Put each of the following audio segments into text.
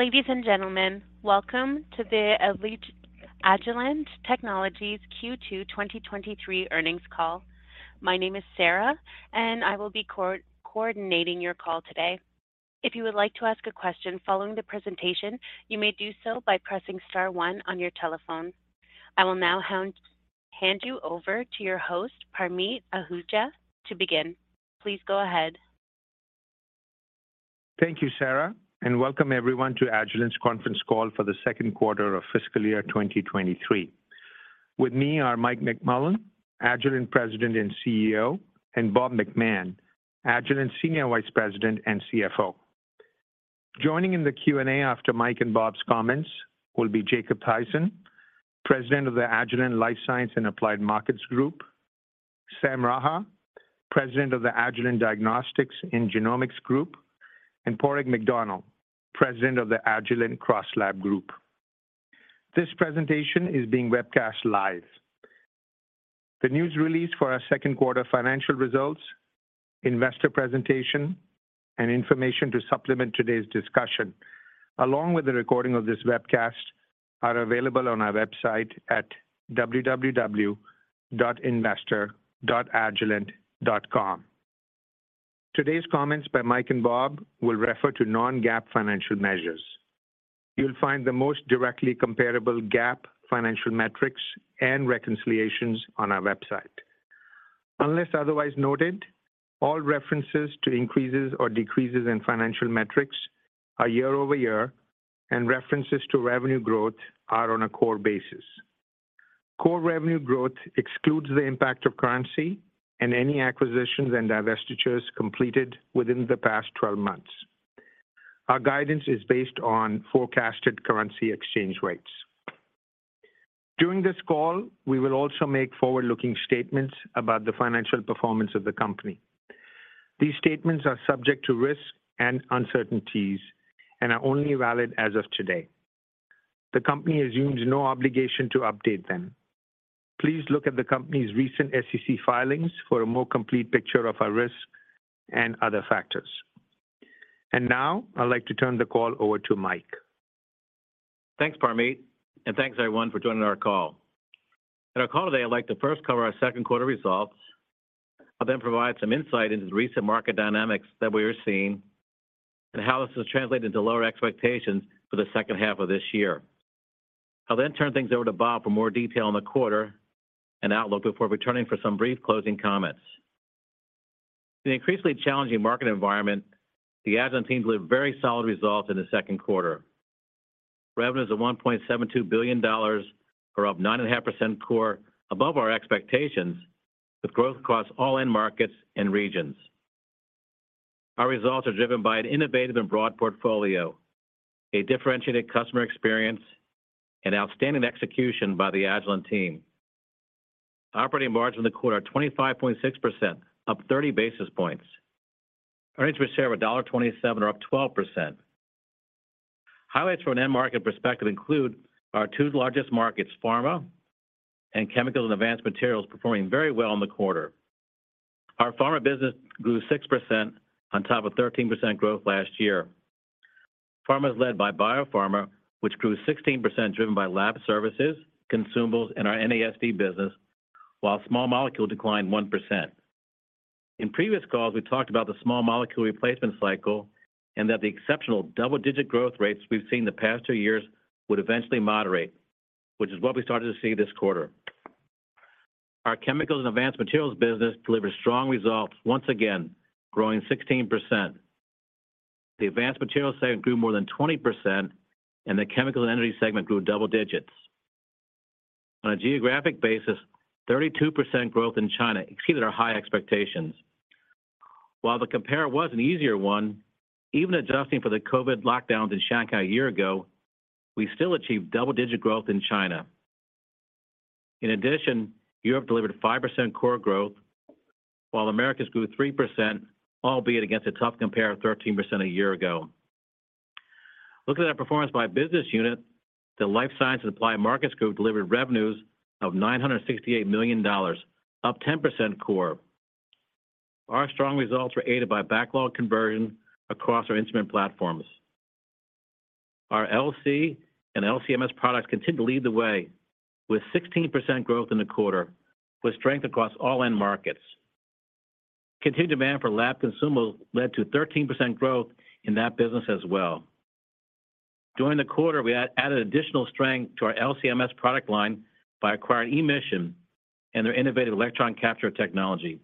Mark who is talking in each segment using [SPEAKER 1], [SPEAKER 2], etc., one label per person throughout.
[SPEAKER 1] Ladies and gentlemen, welcome to the Agilent Technologies Q2 2023 earnings call. My name is Sarah, and I will be coordinating your call today. If you would like to ask a question following the presentation, you may do so by pressing star one on your telephone. I will now hand you over to your host, Parmeet Ahuja, to begin. Please go ahead.
[SPEAKER 2] Thank you, Sarah. Welcome everyone to Agilent's conference call for the second quarter of fiscal year 2023. With me are Mike McMullen, Agilent President and CEO, and Bob McMahon, Agilent Senior Vice President and CFO. Joining in the Q&A after Mike and Bob's comments will be Jacob Thaysen, President of the Agilent Life Sciences and Applied Markets Group, Sam Raha, President of the Agilent Diagnostics and Genomics Group, and Padraig McDonnell, President of the Agilent CrossLab Group. This presentation is being webcast live. The news release for our second quarter financial results, investor presentation, and information to supplement today's discussion, along with the recording of this webcast, are available on our website at www.investor.agilent.com. Today's comments by Mike and Bob will refer to non-GAAP financial measures. You'll find the most directly comparable GAAP financial metrics and reconciliations on our website. Unless otherwise noted, all references to increases or decreases in financial metrics are year-over-year, and references to revenue growth are on a core basis. Core revenue growth excludes the impact of currency and any acquisitions and divestitures completed within the past twelve months. Our guidance is based on forecasted currency exchange rates. During this call, we will also make forward-looking statements about the financial performance of the company. These statements are subject to risks and uncertainties and are only valid as of today. The company assumes no obligation to update them. Please look at the company's recent SEC filings for a more complete picture of our risks and other factors. Now, I'd like to turn the call over to Mike.
[SPEAKER 3] Thanks, Parmeet, thanks everyone for joining our call. In our call today, I'd like to first cover our second quarter results. I'll then provide some insight into the recent market dynamics that we are seeing and how this has translated into lower expectations for the second half of this year. I'll then turn things over to Bob for more detail on the quarter and outlook before returning for some brief closing comments. In an increasingly challenging market environment, the Agilent team delivered very solid results in the second quarter. Revenues of $1.72 billion were up 9.5% core above our expectations with growth across all end markets and regions. Our results are driven by an innovative and broad portfolio, a differentiated customer experience, and outstanding execution by the Agilent team. Operating margin in the quarter, 25.6%, up 30 basis points. Earnings per share of $1.27 are up 12%. Highlights from an end market perspective include our two largest markets, pharma and chemicals and advanced materials, performing very well in the quarter. Our pharma business grew 6% on top of 13% growth last year. Pharma is led by biopharma, which grew 16%, driven by lab services, consumables, and our NASD business, while small molecule declined 1%. In previous calls, we talked about the small molecule replacement cycle and that the exceptional double-digit growth rates we've seen the past two years would eventually moderate, which is what we started to see this quarter. Our chemicals and advanced materials business delivered strong results once again, growing 16%. The advanced materials segment grew more than 20%, and the chemical and energy segment grew double digits. On a geographic basis, 32% growth in China exceeded our high expectations. While the compare was an easier one, even adjusting for the COVID lockdowns in Shanghai a year ago, we still achieved double-digit growth in China. In addition, Europe delivered 5% core growth, while Americas grew 3%, albeit against a tough compare of 13% a year ago. Looking at our performance by business unit, the Life Sciences and Applied Markets Group delivered revenues of $968 million, up 10% core. Our strong results were aided by backlog conversion across our instrument platforms. Our LC and LC-MS products continue to lead the way with 16% growth in the quarter, with strength across all end markets. Continued demand for lab consumables led to 13% growth in that business as well. During the quarter, we added additional strength to our LC-MS product line by acquiring e-MSion and their innovative electron capture technology.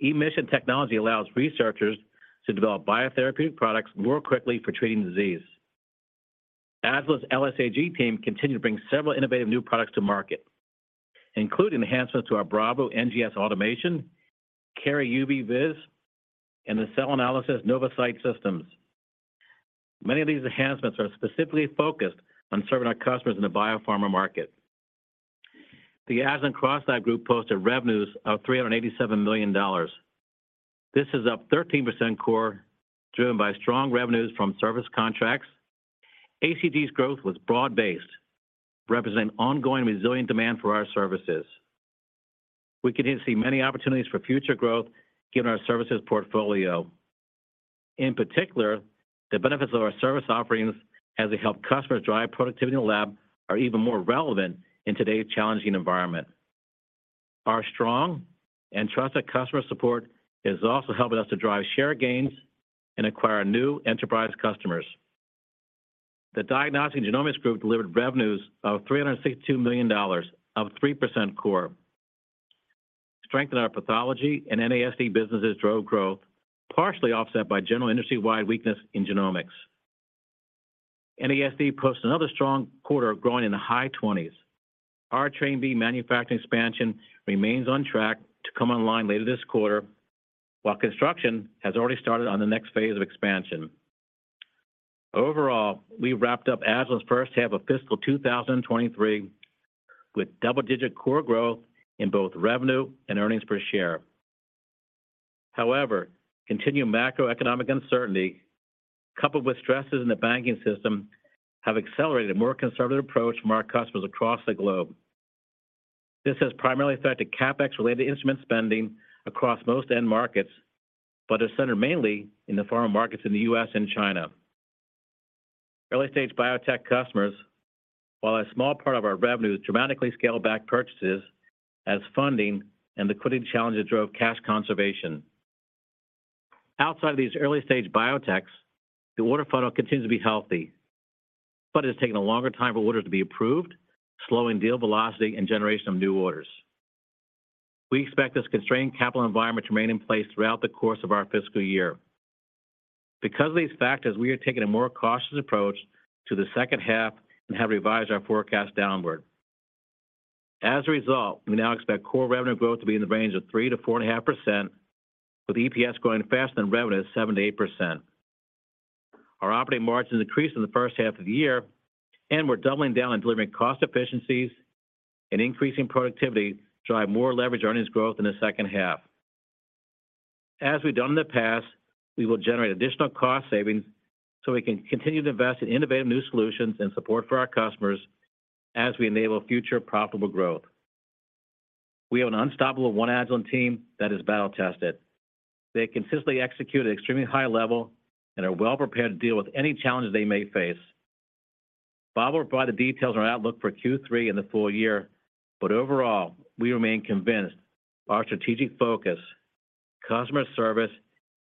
[SPEAKER 3] e-MSion technology allows researchers to develop biotherapeutic products more quickly for treating disease. Agilent's LSAG team continued to bring several innovative new products to market, including enhancements to our Bravo NGS automation, Cary UV-Vis, and the cell analysis NovoCyte systems. Many of these enhancements are specifically focused on serving our customers in the biopharma market. The Agilent CrossLab Group posted revenues of $387 million. This is up 13% core, driven by strong revenues from service contracts. ACG's growth was broad-based, representing ongoing resilient demand for our services. We continue to see many opportunities for future growth given our services portfolio. In particular, the benefits of our service offerings as they help customers drive productivity in the lab are even more relevant in today's challenging environment. Our strong and trusted customer support is also helping us to drive share gains and acquire new enterprise customers. The Diagnostics and Genomics Group delivered revenues of $362 million of 3% core. Strength in our pathology and NASD businesses drove growth, partially offset by general industry-wide weakness in genomics. NASD posted another strong quarter of growing in the high 20s. Our Train B manufacturing expansion remains on track to come online later this quarter, while construction has already started on the next phase of expansion. Overall, we wrapped up Agilent's first half of fiscal 2023 with double-digit core growth in both revenue and EPS. Continued macroeconomic uncertainty, coupled with stresses in the banking system, have accelerated a more conservative approach from our customers across the globe. This has primarily affected CapEx-related instrument spending across most end markets, but is centered mainly in the pharma markets in the US and China. Early-stage biotech customers, while a small part of our revenue, dramatically scaled back purchases as funding and liquidity challenges drove cash conservation. Outside of these early-stage biotechs, the order funnel continues to be healthy, but it has taken a longer time for orders to be approved, slowing deal velocity and generation of new orders. We expect this constrained capital environment to remain in place throughout the course of our fiscal year. Because of these factors, we are taking a more cautious approach to the second half and have revised our forecast downward. As a result, we now expect core revenue growth to be in the range of 3%-4.5%, with EPS growing faster than revenue at 7%-8%. Our operating margins increased in the first half of the year, and we're doubling down on delivering cost efficiencies and increasing productivity to drive more leverage earnings growth in the second half. As we've done in the past, we will generate additional cost savings so we can continue to invest in innovative new solutions and support for our customers as we enable future profitable growth. We have an unstoppable One Agilent team that is battle-tested. They consistently execute at extremely high level and are well prepared to deal with any challenges they may face. Bob will provide the details on our outlook for Q3 and the full year. Overall, we remain convinced our strategic focus, customer service,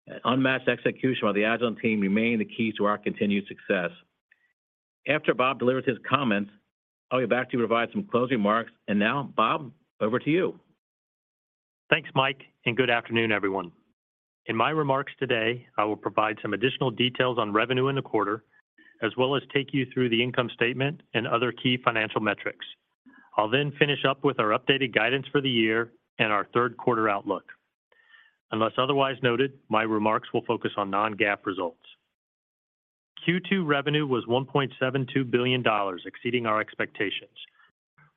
[SPEAKER 3] and unmatched execution by the Agilent team remain the key to our continued success. After Bob delivers his comments, I'll get back to you to provide some closing remarks. Now, Bob, over to you.
[SPEAKER 4] Thanks, Mike. Good afternoon, everyone. In my remarks today, I will provide some additional details on revenue in the quarter, as well as take you through the income statement and other key financial metrics. I'll finish up with our updated guidance for the year and our third quarter outlook. Unless otherwise noted, my remarks will focus on non-GAAP results. Q2 revenue was $1.72 billion, exceeding our expectations.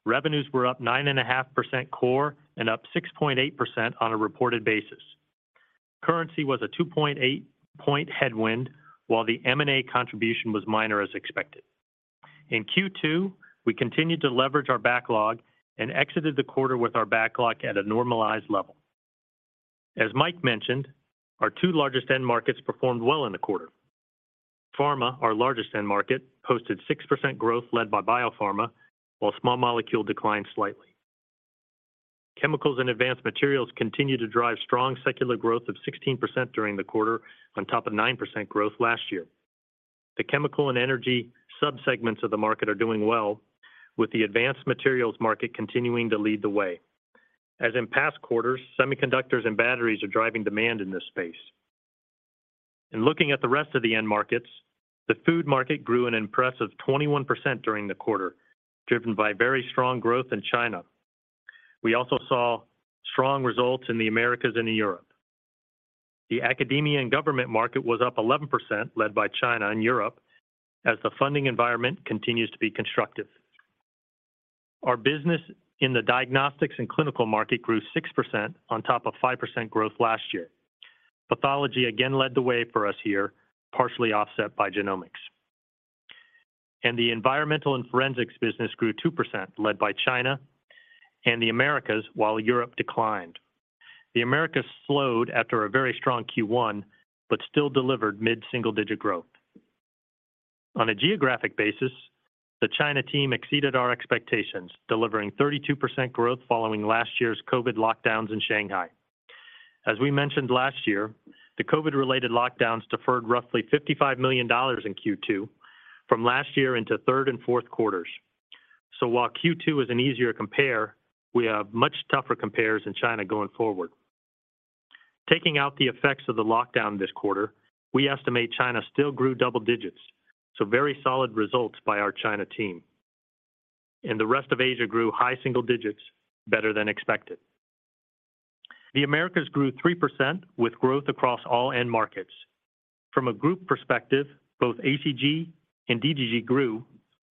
[SPEAKER 4] Revenues were up 9.5% core and up 6.8% on a reported basis. Currency was a 2.8-point headwind, while the M&A contribution was minor as expected. In Q2, we continued to leverage our backlog and exited the quarter with our backlog at a normalized level. As Mike mentioned, our two largest end markets performed well in the quarter. Pharma, our largest end market, posted 6% growth led by biopharma, while small molecule declined slightly. Chemicals and advanced materials continued to drive strong secular growth of 16% during the quarter on top of 9% growth last year. The chemical and energy subsegments of the market are doing well, with the advanced materials market continuing to lead the way. As in past quarters, semiconductors and batteries are driving demand in this space. In looking at the rest of the end markets, the food market grew an impressive 21% during the quarter, driven by very strong growth in China. We also saw strong results in the Americas and in Europe. The academia and government market was up 11%, led by China and Europe, as the funding environment continues to be constructive. Our business in the Diagnostics and Clinical market grew 6% on top of 5% growth last year. Pathology again led the way for us here, partially offset by Genomics. The environmental and forensics business grew 2%, led by China and the Americas, while Europe declined. The Americas slowed after a very strong Q1, but still delivered mid-single-digit growth. On a geographic basis, the China team exceeded our expectations, delivering 32% growth following last year's COVID lockdowns in Shanghai. As we mentioned last year, the COVID-related lockdowns deferred roughly $55 million in Q2 from last year into third and fourth quarters. While Q2 is an easier compare, we have much tougher compares in China going forward. Taking out the effects of the lockdown this quarter, we estimate China still grew double digits, so very solid results by our China team. The rest of Asia grew high single digits, better than expected. The Americas grew 3% with growth across all end markets. From a group perspective, both ACG and DGG grew,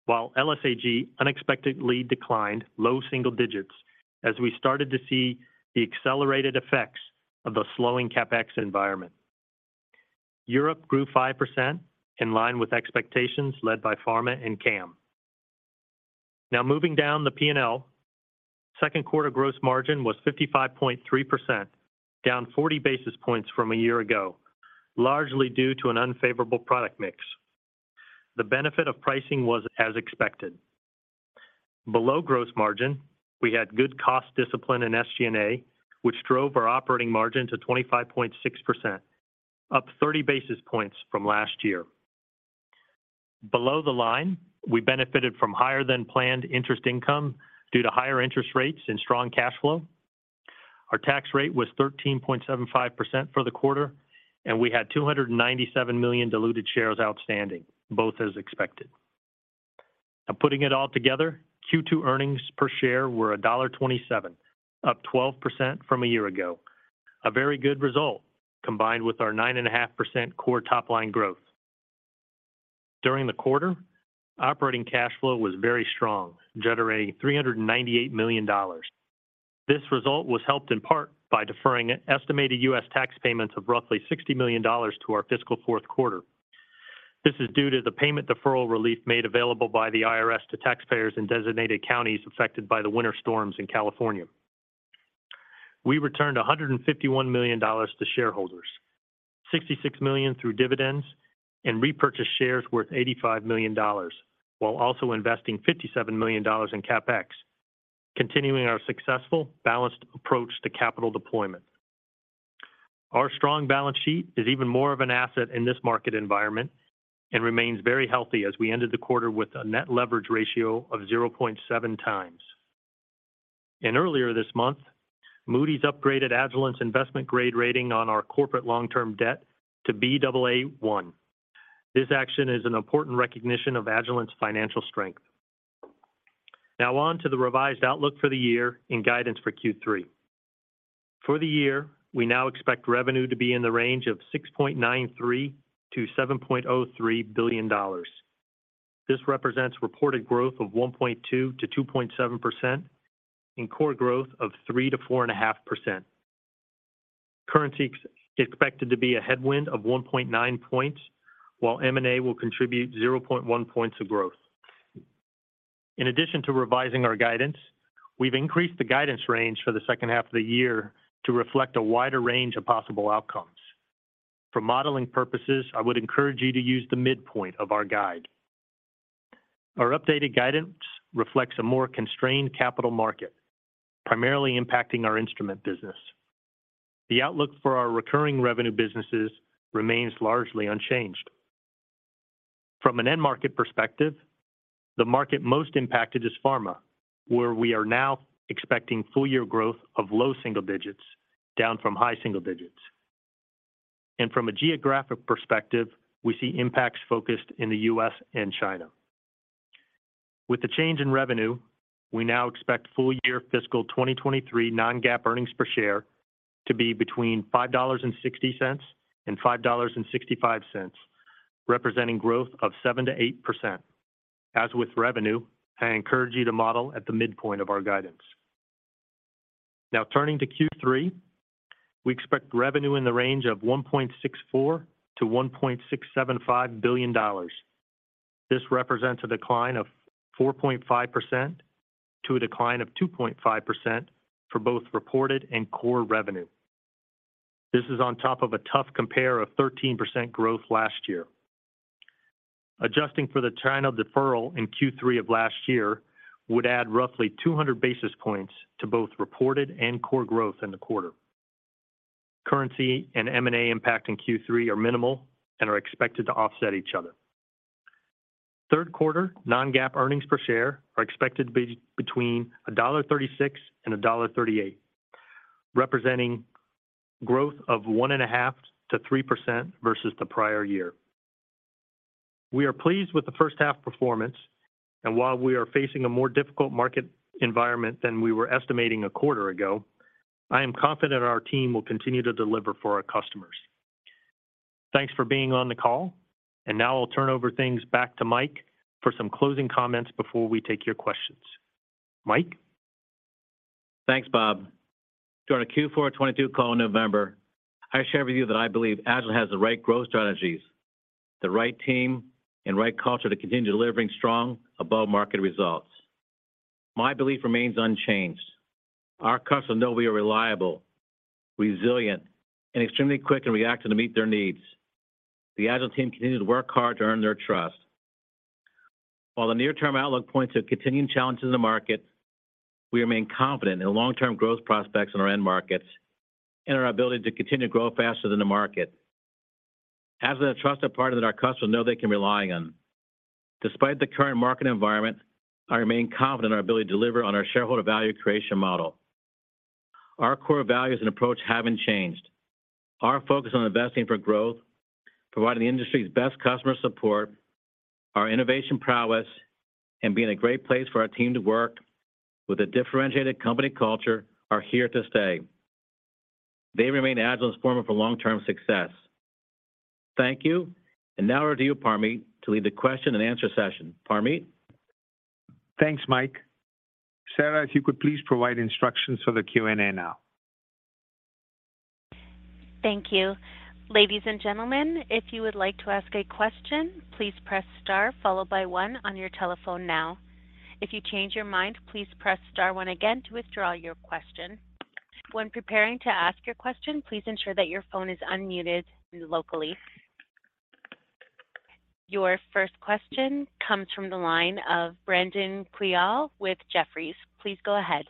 [SPEAKER 4] while LSAG unexpectedly declined low single digits as we started to see the accelerated effects of the slowing CapEx environment. Europe grew 5% in line with expectations led by pharma and CAM. Moving down the P&L, second quarter gross margin was 55.3%, down 40 basis points from a year ago, largely due to an unfavorable product mix. The benefit of pricing was as expected. Below gross margin, we had good cost discipline in SG&A, which drove our operating margin to 25.6%, up 30 basis points from last year. Below the line, we benefited from higher than planned interest income due to higher interest rates and strong cash flow. Our tax rate was 13.75% for the quarter, and we had 297 million diluted shares outstanding, both as expected. Now, putting it all together, Q2 earnings per share were $1.27, up 12% from a year ago. A very good result combined with our 9.5% core top-line growth. During the quarter, operating cash flow was very strong, generating $398 million. This result was helped in part by deferring estimated U.S. tax payments of roughly $60 million to our fiscal fourth quarter. This is due to the payment deferral relief made available by the IRS to taxpayers in designated counties affected by the winter storms in California. We returned $151 million to shareholders, $66 million through dividends and repurchased shares worth $85 million, while also investing $57 million in CapEx, continuing our successful balanced approach to capital deployment. Our strong balance sheet is even more of an asset in this market environment and remains very healthy as we ended the quarter with a net leverage ratio of 0.7 times. Earlier this month, Moody's upgraded Agilent's investment grade rating on our corporate long-term debt to Baa1. This action is an important recognition of Agilent's financial strength. On to the revised outlook for the year and guidance for Q3. For the year, we now expect revenue to be in the range of $6.93 billion-$7.03 billion. This represents reported growth of 1.2%-2.7% and core growth of 3%-4.5%. Currency is expected to be a headwind of 1.9 points, while M&A will contribute 0.1 points of growth. In addition to revising our guidance, we've increased the guidance range for the second half of the year to reflect a wider range of possible outcomes. For modeling purposes, I would encourage you to use the midpoint of our guide. Our updated guidance reflects a more constrained capital market, primarily impacting our instrument business. The outlook for our recurring revenue businesses remains largely unchanged. From an end market perspective, the market most impacted is pharma, where we are now expecting full-year growth of low single digits, down from high single digits. From a geographic perspective, we see impacts focused in the U.S. and China. With the change in revenue, we now expect full-year fiscal 2023 non-GAAP earnings per share to be between $5.60 and $5.65, representing growth of 7%-8%. As with revenue, I encourage you to model at the midpoint of our guidance. Turning to Q3, we expect revenue in the range of $1.64 billion-$1.675 billion. This represents a decline of 4.5% to a decline of 2.5% for both reported and core revenue. This is on top of a tough compare of 13% growth last year. Adjusting for the China deferral in Q3 of last year would add roughly 200 basis points to both reported and core growth in the quarter. Currency and M&A impact in Q3 are minimal and are expected to offset each other. Third quarter non-GAAP earnings per share are expected be between $1.36 and $1.38, representing growth of 1.5%-3% versus the prior year. We are pleased with the first half performance, and while we are facing a more difficult market environment than we were estimating a quarter ago, I am confident our team will continue to deliver for our customers. Thanks for being on the call. Now I'll turn over things back to Mike for some closing comments before we take your questions. Mike.
[SPEAKER 3] Thanks, Bob. During the Q4 2022 call in November, I shared with you that I believe Agilent has the right growth strategies, the right team, and right culture to continue delivering strong above-market results. My belief remains unchanged. Our customers know we are reliable, resilient, and extremely quick in reacting to meet their needs. The Agilent team continues to work hard to earn their trust. While the near-term outlook points to continuing challenges in the market, we remain confident in the long-term growth prospects in our end markets and our ability to continue to grow faster than the market. Agilent, a trusted partner that our customers know they can rely on. Despite the current market environment, I remain confident in our ability to deliver on our shareholder value creation model. Our core values and approach haven't changed. Our focus on investing for growth, providing the industry's best customer support, our innovation prowess, and being a great place for our team to work with a differentiated company culture are here to stay. They remain Agilent's formula for long-term success. Thank you. Now over to you, Parmeet, to lead the question and answer session. Parmieet?
[SPEAKER 2] Thanks, Mike. Sarah, if you could please provide instructions for the Q&A now.
[SPEAKER 1] Thank you. Ladies and gentlemen, if you would like to ask a question, please press star followed by one on your telephone now. If you change your mind, please press star one again to withdraw your question. When preparing to ask your question, please ensure that your phone is unmuted locally. Your first question comes from the line of Brandon Couillard with Jefferies. Please go ahead.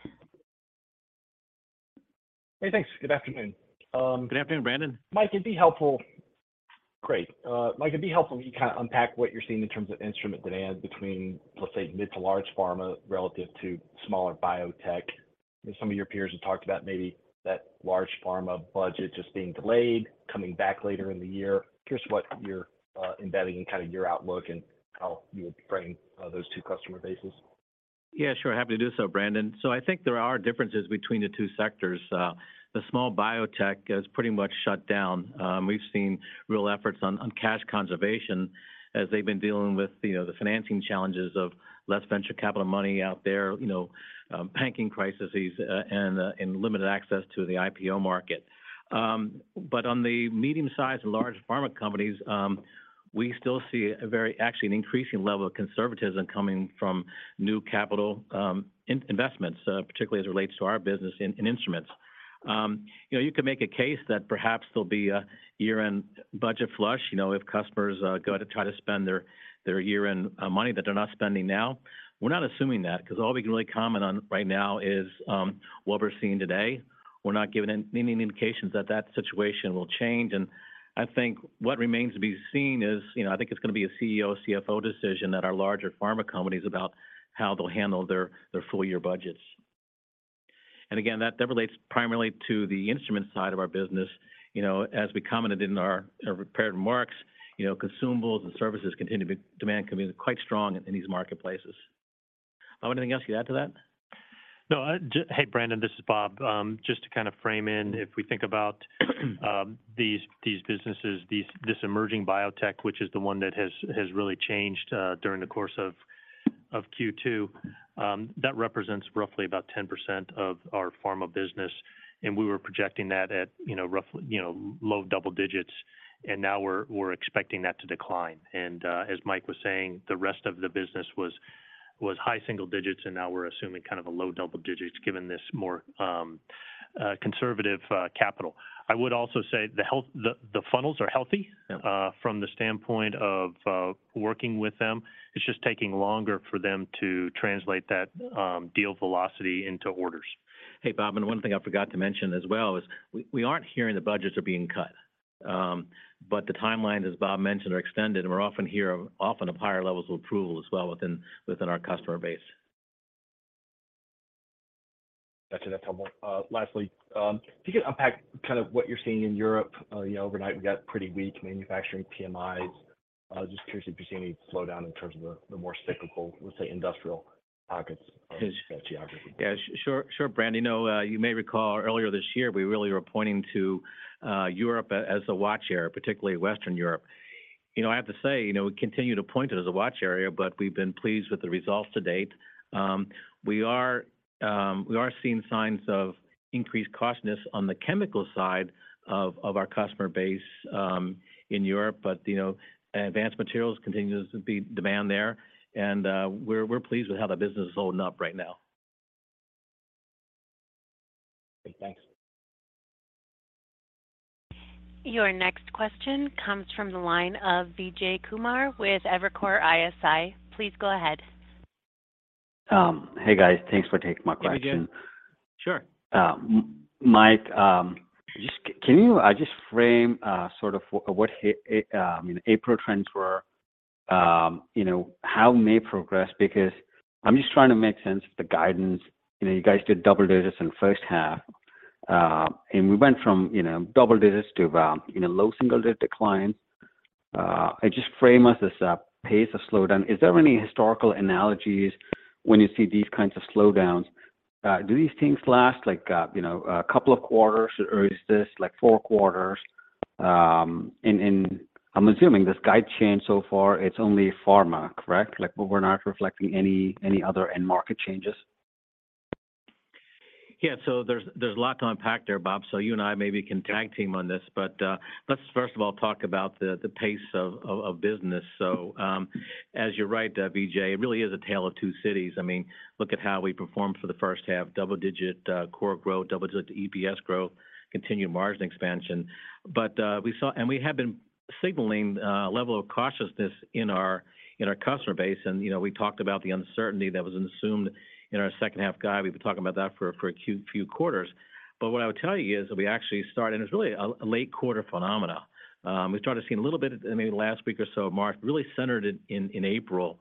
[SPEAKER 5] Hey, thanks. Good afternoon.
[SPEAKER 3] Good afternoon, Brandon.
[SPEAKER 5] Great. Mike, it'd be helpful if you kind of unpack what you're seeing in terms of instrument demand between, let's say, mid to large pharma relative to smaller biotech. Some of your peers have talked about maybe that large pharma budget just being delayed, coming back later in the year. Curious what you're embedding in kind of your outlook and how you would frame those two customer bases.
[SPEAKER 3] Yeah, sure. Happy to do so, Brandon. I think there are differences between the two sectors. The small biotech is pretty much shut down. We've seen real efforts on cash conservation as they've been dealing with, you know, the financing challenges of less venture capital money out there, you know, banking crises, and limited access to the IPO market. But on the medium-sized and large pharma companies, we still see a very actually an increasing level of conservatism coming from new capital investments, particularly as it relates to our business in instruments. You know, you could make a case that perhaps there'll be a year-end budget flush, you know, if customers go to try to spend their year-end money that they're not spending now. We're not assuming that because all we can really comment on right now is what we're seeing today. We're not given any indications that that situation will change. I think what remains to be seen is, you know, I think it's gonna be a CEO, CFO decision at our larger pharma companies about how they'll handle their full year budgets. Again, that relates primarily to the instrument side of our business. You know, as we commented in our, in our prepared remarks, you know, consumables and services demand continue quite strong in these marketplaces. Bob, anything else you add to that?
[SPEAKER 4] Hey, Brandon, this is Bob. Just to kind of frame in, if we think about these businesses, this emerging biotech, which is the one that has really changed during the course of Q2, that represents roughly about 10% of our pharma business, we were projecting that at, you know, roughly, you know, low double digits, and now we're expecting that to decline. As Mike was saying, the rest of the business was high single digits, and now we're assuming kind of a low double digits given this more conservative capital. I would also say the funnels are healthy.
[SPEAKER 3] Yep.
[SPEAKER 4] From the standpoint of working with them. It's just taking longer for them to translate that deal velocity into orders.
[SPEAKER 3] Hey, Bob, one thing I forgot to mention as well is we aren't hearing the budgets are being cut. The timelines, as Bob mentioned, are extended. We're often of higher levels of approval as well within our customer base.
[SPEAKER 5] Gotcha. That's helpful. Lastly, if you could unpack kind of what you're seeing in Europe. You know, overnight we got pretty weak manufacturing PMIs. I was just curious if you're seeing any slowdown in terms of the more cyclical, let's say, industrial pockets of that geography.
[SPEAKER 3] Yeah, sure, Brandon. You know, you may recall earlier this year, we really were pointing to Europe as a watch area, particularly Western Europe. You know, I have to say, you know, we continue to point it as a watch area, but we've been pleased with the results to date. We are seeing signs of increased cautiousness on the chemical side of our customer base in Europe. You know, advanced materials continues to be demand there, and we're pleased with how that business is holding up right now.
[SPEAKER 5] Great. Thanks.
[SPEAKER 1] Your next question comes from the line of Vijay Kumar with Evercore ISI. Please go ahead.
[SPEAKER 6] Hey, guys. Thanks for taking my question.
[SPEAKER 3] Hey, Vijay. Sure.
[SPEAKER 6] Mike, just can you just frame sort of what, you know, April trends were? You know, how May progressed because I'm just trying to make sense of the guidance. You know, you guys did double digits in first half, and we went from, you know, double digits to, you know, low single digit decline. I just frame as this pace of slowdown. Is there any historical analogies when you see these kinds of slowdowns? Do these things last like, you know, a couple of quarters or is this like 4 quarters? I'm assuming this guide change so far, it's only pharma, correct? Like, we're not reflecting any other end market changes.
[SPEAKER 3] Yeah. There's a lot to unpack there, Bob. You and I maybe can tag team on this. Let's first of all talk about the pace of business. As you're right, Vijay, it really is a tale of two cities. I mean, look at how we performed for the first half, double-digit core growth, double-digit EPS growth, continued margin expansion. We have been signaling a level of cautiousness in our customer base. You know, we talked about the uncertainty that was assumed in our second-half guide. We've been talking about that for a few quarters. What I would tell you is that we actually started, and it's really a late-quarter phenomena. We started to see a little bit in maybe last week or so of March, really centered in April,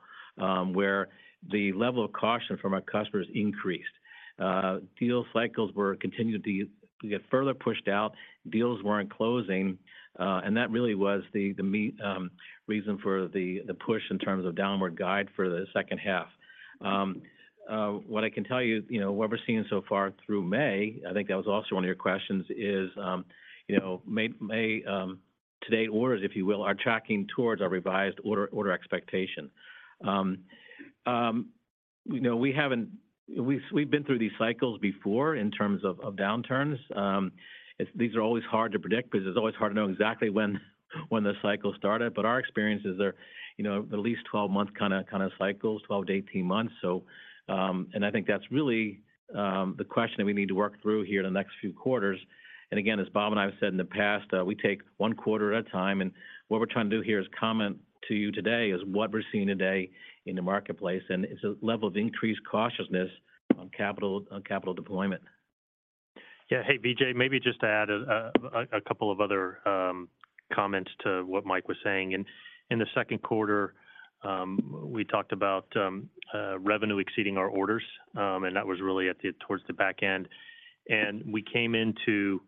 [SPEAKER 3] where the level of caution from our customers increased. Deal cycles were continued to get further pushed out. Deals weren't closing. That really was the main reason for the push in terms of downward guide for the second half. What I can tell you know, what we're seeing so far through May, I think that was also one of your questions, is, you know, May, today orders, if you will, are tracking towards our revised order expectation. You know, we've been through these cycles before in terms of downturns. These are always hard to predict because it's always hard to know exactly when the cycle started. Our experience is they're, you know, at least 12-month kinda cycles, 12-18 months. I think that's really the question that we need to work through here in the next few quarters. Again, as Bob and I have said in the past, we take one quarter at a time. What we're trying to do here is comment to you today is what we're seeing today in the marketplace, and it's a level of increased cautiousness on capital deployment.
[SPEAKER 4] Yeah. Hey, Vijay, maybe just to add a couple of other comments to what Mike was saying. In the second quarter, we talked about revenue exceeding our orders, and that was really towards the back end. We came into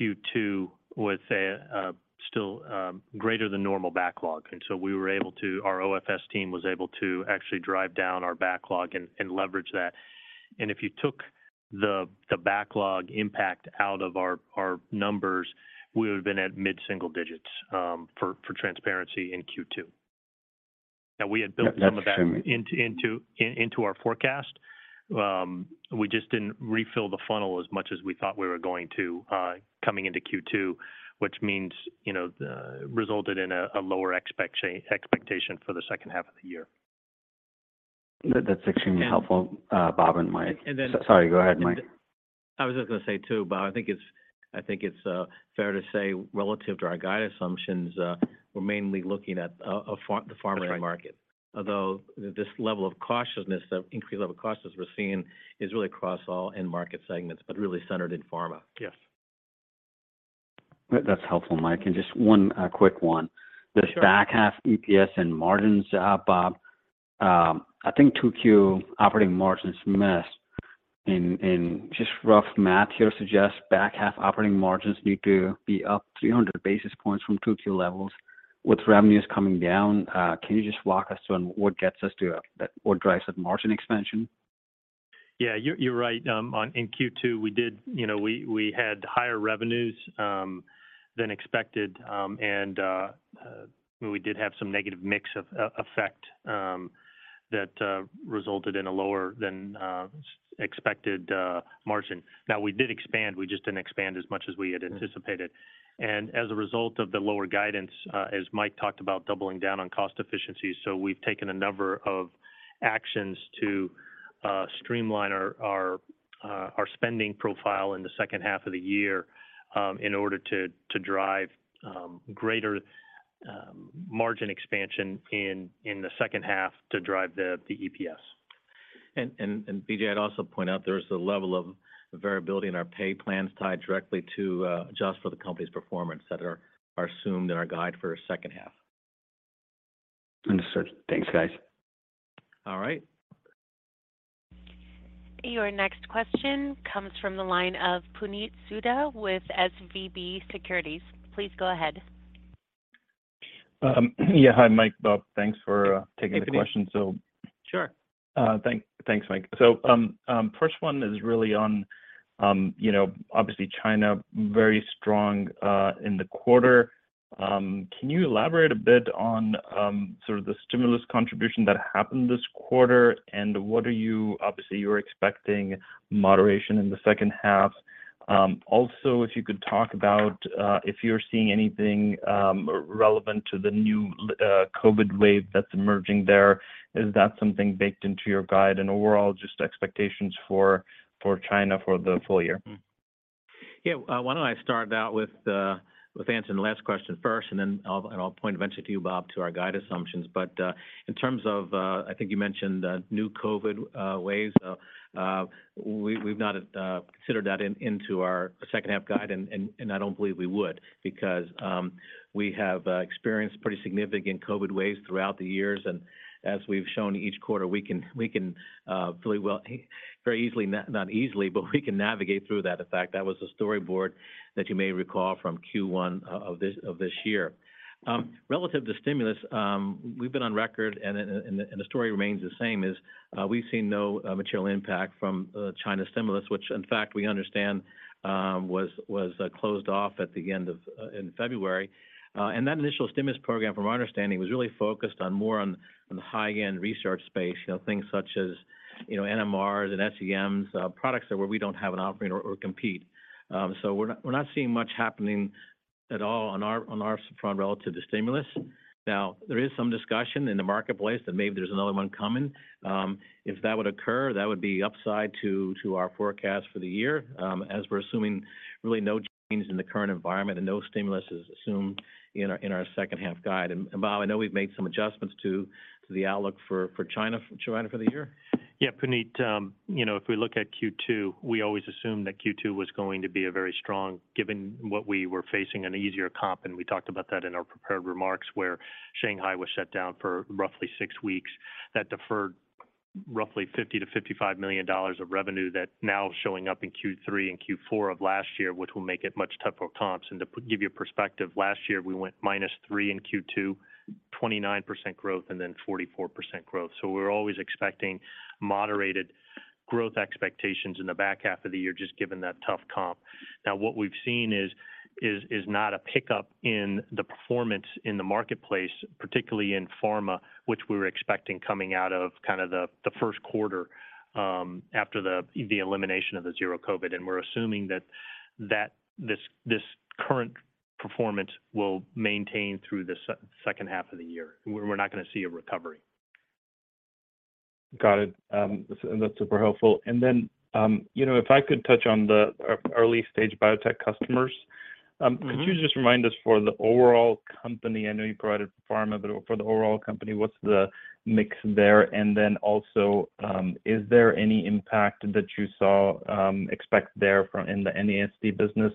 [SPEAKER 4] Q2 with a still greater than normal backlog. Our OFS team was able to actually drive down our backlog and leverage that. If you took the backlog impact out of our numbers, we would have been at mid-single digits for transparency in Q2. Now, we had built some of that-
[SPEAKER 6] That's true....
[SPEAKER 4] into our forecast. We just didn't refill the funnel as much as we thought we were going to, coming into Q2, which means, you know, resulted in a lower expectation for the second half of the year.
[SPEAKER 6] That's extremely helpful, Bob and Mike.
[SPEAKER 3] And then-
[SPEAKER 6] Sorry, go ahead, Mike.
[SPEAKER 3] I was just gonna say, too, Bob, I think it's fair to say relative to our guide assumptions, we're mainly looking at the pharma end market.
[SPEAKER 4] That's right.
[SPEAKER 3] This level of cautiousness, the increased level of cautiousness we're seeing is really across all end market segments, but really centered in pharma.
[SPEAKER 4] Yes.
[SPEAKER 6] That's helpful, Mike. Just one, quick one.
[SPEAKER 3] Sure.
[SPEAKER 6] This back half EPS and margins, Bob, I think 2Q operating margins missed. Just rough math here suggests back half operating margins need to be up 300 basis points from 2Q levels. With revenues coming down, can you just walk us through on what gets us to that what drives that margin expansion?
[SPEAKER 4] Yeah. You're right. In Q2, we did, you know, we had higher revenues than expected. And we did have some negative mix of effect that resulted in a lower than expected margin. Now we did expand, we just didn't expand as much as we had anticipated. As a result of the lower guidance, as Mike talked about doubling down on cost efficiencies. We've taken a number of actions to streamline our spending profile in the second half of the year, in order to drive greater margin expansion in the second half to drive the EPS.
[SPEAKER 3] Vijay, I'd also point out there is the level of variability in our pay plans tied directly to, adjust for the company's performance that are assumed in our guide for our second half.
[SPEAKER 6] Understood. Thanks, guys.
[SPEAKER 4] All right.
[SPEAKER 1] Your next question comes from the line of Puneet Souda with SVB Securities. Please go ahead.
[SPEAKER 7] Yeah. Hi, Mike, Bob. Thanks for taking the question.
[SPEAKER 4] Hey, Puneet.
[SPEAKER 7] So...
[SPEAKER 4] Sure.
[SPEAKER 7] Thanks, Mike. First one is really on, you know, obviously China, very strong in the quarter. Can you elaborate a bit on sort of the stimulus contribution that happened this quarter? Obviously, you're expecting moderation in the second half. Also, if you could talk about if you're seeing anything relevant to the new COVID wave that's emerging there. Is that something baked into your guide? Overall, just expectations for China for the full year.
[SPEAKER 3] Yeah. Why don't I start out with answering the last question first, and then I'll, and I'll point eventually to you, Bob, to our guide assumptions. In terms of, I think you mentioned new COVID waves. We've not considered that into our second half guide, and I don't believe we would because we have experienced pretty significant COVID waves throughout the years. As we've shown each quarter, we can fairly well, very easily, not easily, but we can navigate through that. In fact, that was a storyboard that you may recall from Q1 of this, of this year. Relative to stimulus, we've been on record and the story remains the same, is, we've seen no material impact from China's stimulus, which in fact we understand, was closed off at the end of February. That initial stimulus program, from our understanding, was really focused on the high-end research space, you know, things such as NMRs and SEMs, products that where we don't have an offering or compete. We're not seeing much happening at all on our front relative to stimulus. There is some discussion in the marketplace that maybe there's another one coming. If that would occur, that would be upside to our forecast for the year, as we're assuming really no change in the current environment and no stimulus is assumed in our second half guide. Bob, I know we've made some adjustments to the outlook for China. Do you wanna add for the year?
[SPEAKER 4] Yeah, Puneet, you know, if we look at Q2, we always assume that Q2 was going to be a very strong, given what we were facing an easier comp, and we talked about that in our prepared remarks, where Shanghai was shut down for roughly six weeks. That deferred
[SPEAKER 3] Roughly $50 million-$55 million of revenue that now showing up in Q3 and Q4 of last year, which will make it much tougher comps. To give you a perspective, last year we went -3% in Q2, 29% growth, and then 44% growth. We're always expecting moderated growth expectations in the back half of the year, just given that tough comp. What we've seen is not a pickup in the performance in the marketplace, particularly in pharma, which we were expecting coming out of kind of the first quarter after the elimination of the zero COVID. We're assuming that this current performance will maintain through the second half of the year. We're not gonna see a recovery. Got it. That's super helpful. Then, you know, if I could touch on the early stage biotech customers? Mm-hmm. Could you just remind us for the overall company, I know you provided pharma, but for the overall company, what's the mix there? Also, is there any impact that you saw, expect there from in the NASD business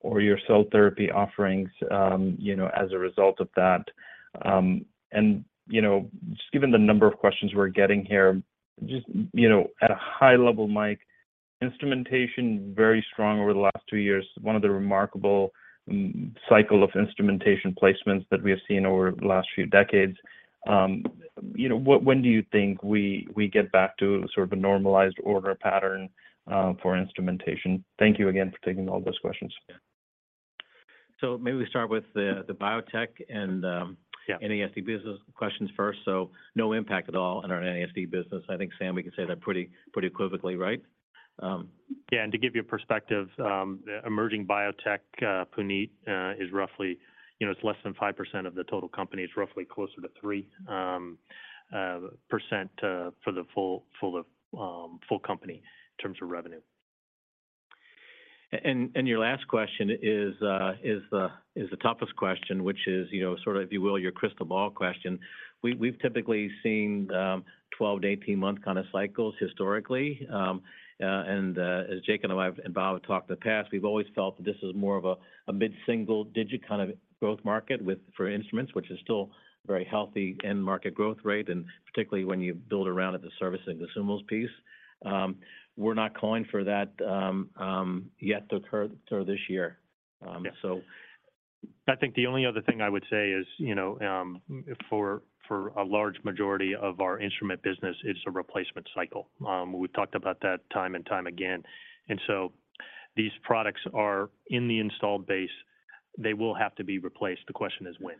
[SPEAKER 3] or your cell therapy offerings, you know, as a result of that? You know, just given the number of questions we're getting here, just, you know, at a high level, Mike, instrumentation very strong over the last 2 years, one of the remarkable m-cycle of instrumentation placements that we have seen over the last few decades. You know, what when do you think we get back to sort of a normalized order pattern for instrumentation? Thank you again for taking all those questions. Maybe we start with the biotech and. Yeah... NASD business questions first. No impact at all on our NASD business. I think, Sam, we can say that pretty equivocally, right? Yeah. To give you a perspective, emerging biotech, Puneet, is roughly, you know, it's less than 5% of the total company. It's roughly closer to 3% for the full company in terms of revenue. Your last question is the toughest question, which is, you know, sort of, if you will, your crystal ball question. We've typically seen 12-18 month kind of cycles historically. As Jake and Bob have talked in the past, we've always felt that this is more of a mid-single digit kind of growth market for instruments, which is still very healthy end market growth rate, and particularly when you build around at the service and consumables piece. We're not calling for that yet through this year. Yeah. I think the only other thing I would say is, you know, for a large majority of our instrument business, it's a replacement cycle. We've talked about that time and time again. These products are in the installed base, they will have to be replaced. The question is, when?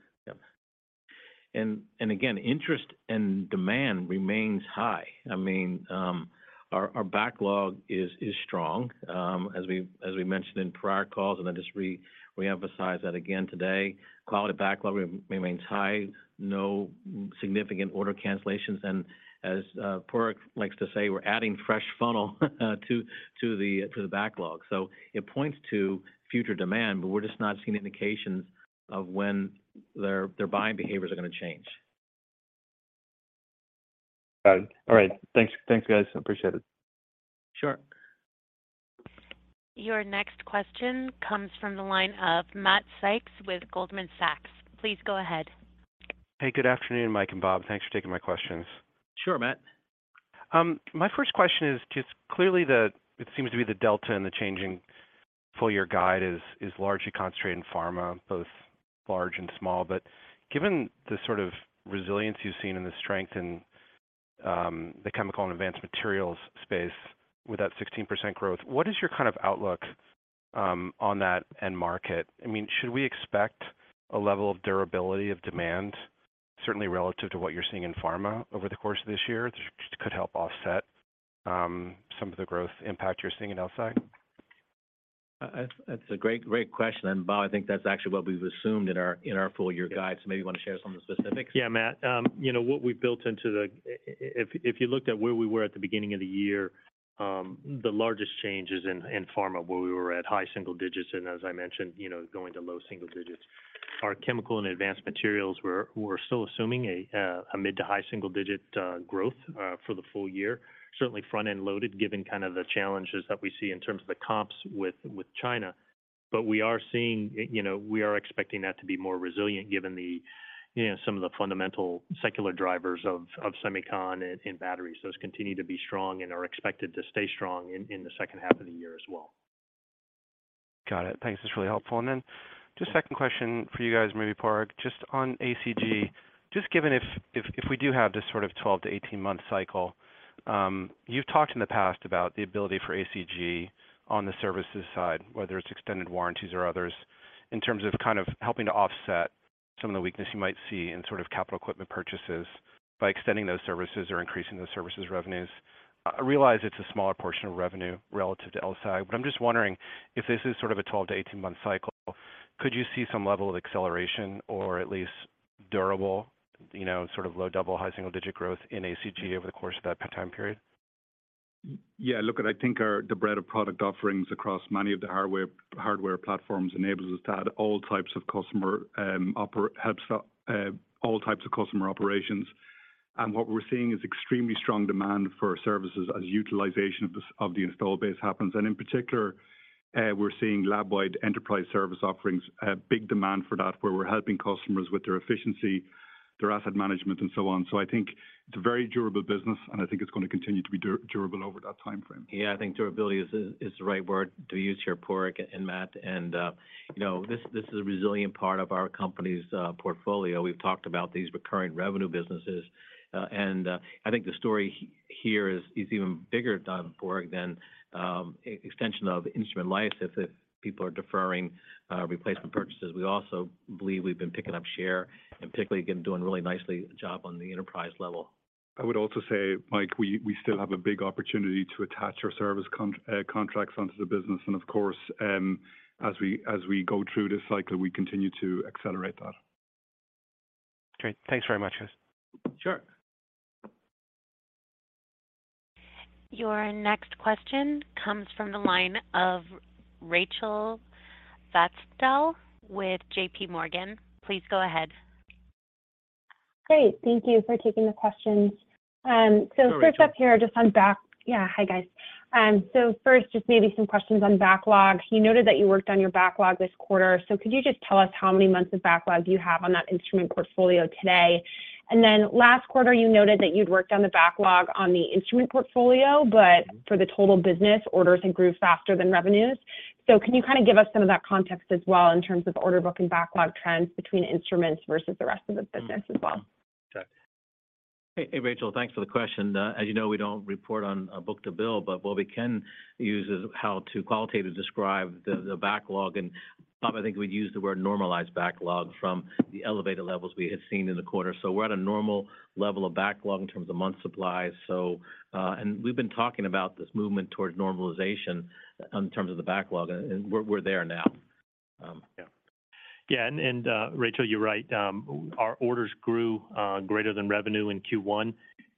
[SPEAKER 3] Yeah. Again, interest and demand remains high. I mean, our backlog is strong. As we mentioned in prior calls, and I just reemphasize that again today. Quality backlog remains high. No significant order cancellations. As Padraig likes to say, we're adding fresh funnel to the backlog. It points to future demand, but we're just not seeing indications of when their buying behaviors are gonna change. Got it. All right. Thanks, thanks, guys. I appreciate it. Sure.
[SPEAKER 1] Your next question comes from the line of Matt Sykes with Goldman Sachs. Please go ahead.
[SPEAKER 8] Hey, good afternoon, Mike and Bob. Thanks for taking my questions.
[SPEAKER 3] Sure, Matt.
[SPEAKER 8] My first question is just clearly it seems to be the delta and the changing full year guide is largely concentrated in pharma, both large and small. Given the sort of resilience you've seen and the strength in the chemical and advanced materials space with that 16% growth, what is your kind of outlook on that end market? I mean, should we expect a level of durability of demand, certainly relative to what you're seeing in pharma over the course of this year that could help offset some of the growth impact you're seeing in LSI?
[SPEAKER 3] That's a great question. Bob, I think that's actually what we've assumed in our, in our full year guide. Maybe you want to share some of the specifics. Yeah, Matt. you know If you looked at where we were at the beginning of the year, the largest change is in pharma, where we were at high single digits and as I mentioned, you know, going to low single digits. Our chemical and advanced materials, we're still assuming a mid to high single digit growth for the full year. Certainly front-end loaded, given kind of the challenges that we see in terms of the comps with China. We are seeing, you know, we are expecting that to be more resilient given the, you know, some of the fundamental secular drivers of semicon in batteries. Those continue to be strong and are expected to stay strong in the second half of the year as well.
[SPEAKER 8] Got it. Thanks. That's really helpful. Just second question for you guys, maybe Padraig, just on ACG. Just given if we do have this sort of 12-18 month cycle, you've talked in the past about the ability for ACG on the services side, whether it's extended warranties or others, in terms of kind of helping to offset some of the weakness you might see in sort of capital equipment purchases by extending those services or increasing those services revenues. I realize it's a smaller portion of revenue relative to LSAG, but I'm just wondering if this is sort of a 12-18 month cycle, could you see some level of acceleration or at least durable, you know, sort of low double, high single-digit growth in ACG over the course of that time period?
[SPEAKER 9] Look, I think the breadth of product offerings across many of the hardware platforms enables us to add all types of customer helps all types of customer operations. What we're seeing is extremely strong demand for services as utilization of the install base happens. In particular, we're seeing lab-wide enterprise service offerings, a big demand for that, where we're helping customers with their efficiency.
[SPEAKER 4] Their asset management and so on. I think it's a very durable business, and I think it's going to continue to be durable over that time frame.
[SPEAKER 3] Yeah, I think durability is the right word to use here, Padraig and Matt. You know, this is a resilient part of our company's portfolio. We've talked about these recurring revenue businesses. I think the story here is even bigger, Padraig, than extension of instrument life if people are deferring replacement purchases. We also believe we've been picking up share and particularly, again, doing really nicely job on the enterprise level.
[SPEAKER 4] I would also say, Mike, we still have a big opportunity to attach our service contracts onto the business. Of course, as we go through this cycle, we continue to accelerate that.
[SPEAKER 9] Great. Thanks very much, guys.
[SPEAKER 3] Sure.
[SPEAKER 1] Your next question comes from the line of Rachel Vatnsdal with J.P. Morgan. Please go ahead.
[SPEAKER 10] Great. Thank you for taking the questions. first up here, just on.
[SPEAKER 3] Hi, Rachel.
[SPEAKER 10] Yeah. Hi, guys. First, just maybe some questions on backlog. You noted that you worked on your backlog this quarter. Could you just tell us how many months of backlog you have on that instrument portfolio today? Last quarter, you noted that you'd worked on the backlog on the instrument portfolio, but for the total business, orders had grew faster than revenues. Can you kind of give us some of that context as well in terms of order book and backlog trends between instruments versus the rest of the business as well?
[SPEAKER 3] Sure. Hey, Rachel, thanks for the question. As you know, we don't report on book-to-bill, but what we can use is how to qualitatively describe the backlog. Bob, I think would use the word normalized backlog from the elevated levels we had seen in the quarter. We're at a normal level of backlog in terms of month supplies. We've been talking about this movement towards normalization in terms of the backlog, and we're there now.
[SPEAKER 4] Yeah. Yeah. Rachel, you're right. Our orders grew greater than revenue in Q1.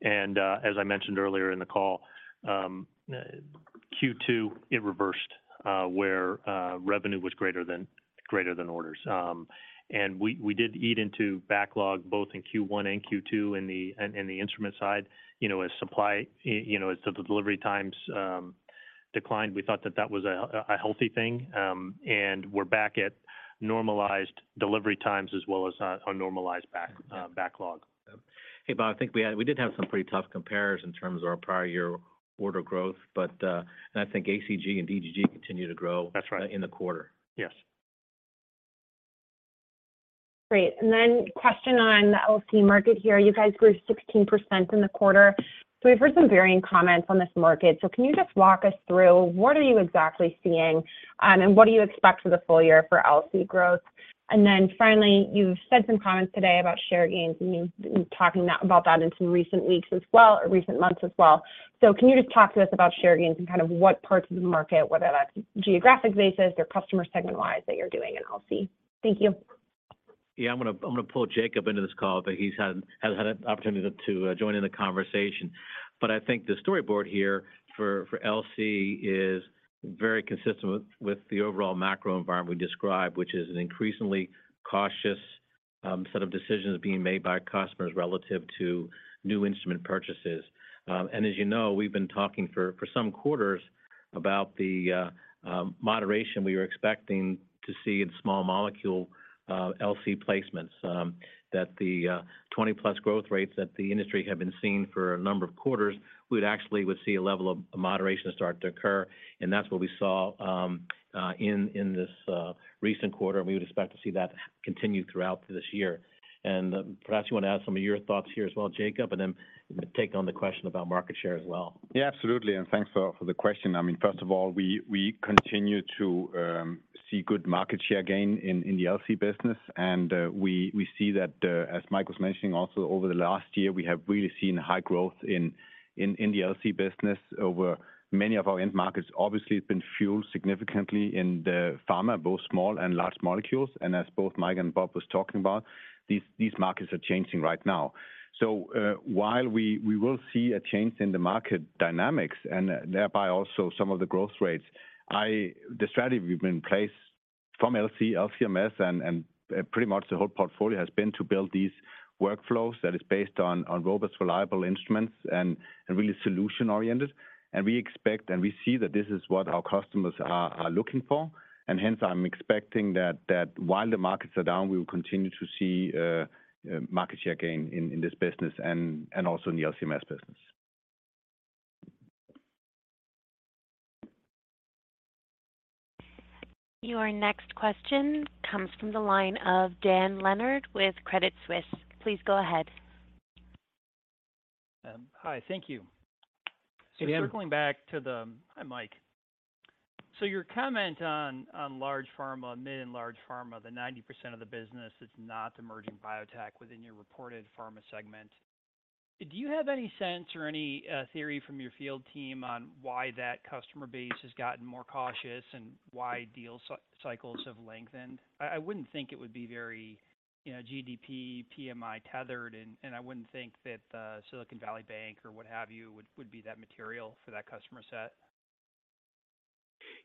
[SPEAKER 4] As I mentioned earlier in the call, Q2, it reversed where revenue was greater than orders. We did eat into backlog both in Q1 and Q2 in the instrument side, you know, as supply, you know, as the delivery times declined. We thought that that was a healthy thing. We're back at normalized delivery times as well as a normalized backlog.
[SPEAKER 3] Hey, Bob, I think we did have some pretty tough compares in terms of our prior year order growth. I think ACG and DG continue to grow.
[SPEAKER 4] That's right....
[SPEAKER 3] in the quarter.
[SPEAKER 4] Yes.
[SPEAKER 10] Great. Question on the LC market here? You guys grew 16% in the quarter. We've heard some varying comments on this market. Can you just walk us through what are you exactly seeing, and what do you expect for the full year for LC growth? Finally, you've said some comments today about share gains, and you've talking about that in some recent weeks as well or recent months as well. Can you just talk to us about share gains and kind of what parts of the market, whether that's geographic basis or customer segment-wise, that you're doing in LC? Thank you.
[SPEAKER 3] Yeah, I'm gonna pull Jacob into this call, but he hasn't had an opportunity to join in the conversation. I think the storyboard here for LC is very consistent with the overall macro environment we described, which is an increasingly cautious set of decisions being made by customers relative to new instrument purchases. As you know, we've been talking for some quarters about the moderation we were expecting to see in small molecule LC placements, that the 20-plus growth rates that the industry had been seeing for a number of quarters, we'd actually would see a level of moderation start to occur, and that's what we saw in this recent quarter. We would expect to see that continue throughout this year. Perhaps you want to add some of your thoughts here as well, Jacob, and then take on the question about market share as well.
[SPEAKER 11] Yeah, absolutely. Thanks for the question. I mean, first of all, we continue to see good market share gain in the LC business. We see that as Mike was mentioning, also over the last year, we have really seen high growth in the LC business over many of our end markets. Obviously, it's been fueled significantly in the pharma, both small and large molecules. As both Mike and Bob was talking about, these markets are changing right now. While we will see a change in the market dynamics and thereby also some of the growth rates, the strategy we've been placed from LC-MS, and pretty much the whole portfolio has been to build these workflows that is based on robust, reliable instruments and really solution-oriented. We expect, and we see that this is what our customers are looking for. Hence, I'm expecting that while the markets are down, we will continue to see market share gain in this business and also in the LC-MS business.
[SPEAKER 1] Your next question comes from the line of Dan Leonard with Credit Suisse. Please go ahead.
[SPEAKER 12] Hi. Thank you.
[SPEAKER 3] Hey, Dan.
[SPEAKER 12] circling back to the... Hi, Mike. Your comment on large pharma, mid and large pharma, the 90% of the business that's not emerging biotech within your reported pharma segment, do you have any sense or any theory from your field team on why that customer base has gotten more cautious and why deal cycles have lengthened? I wouldn't think it would be very, you know, GDP, PMI tethered, and I wouldn't think that Silicon Valley Bank or what have you would be that material for that customer set.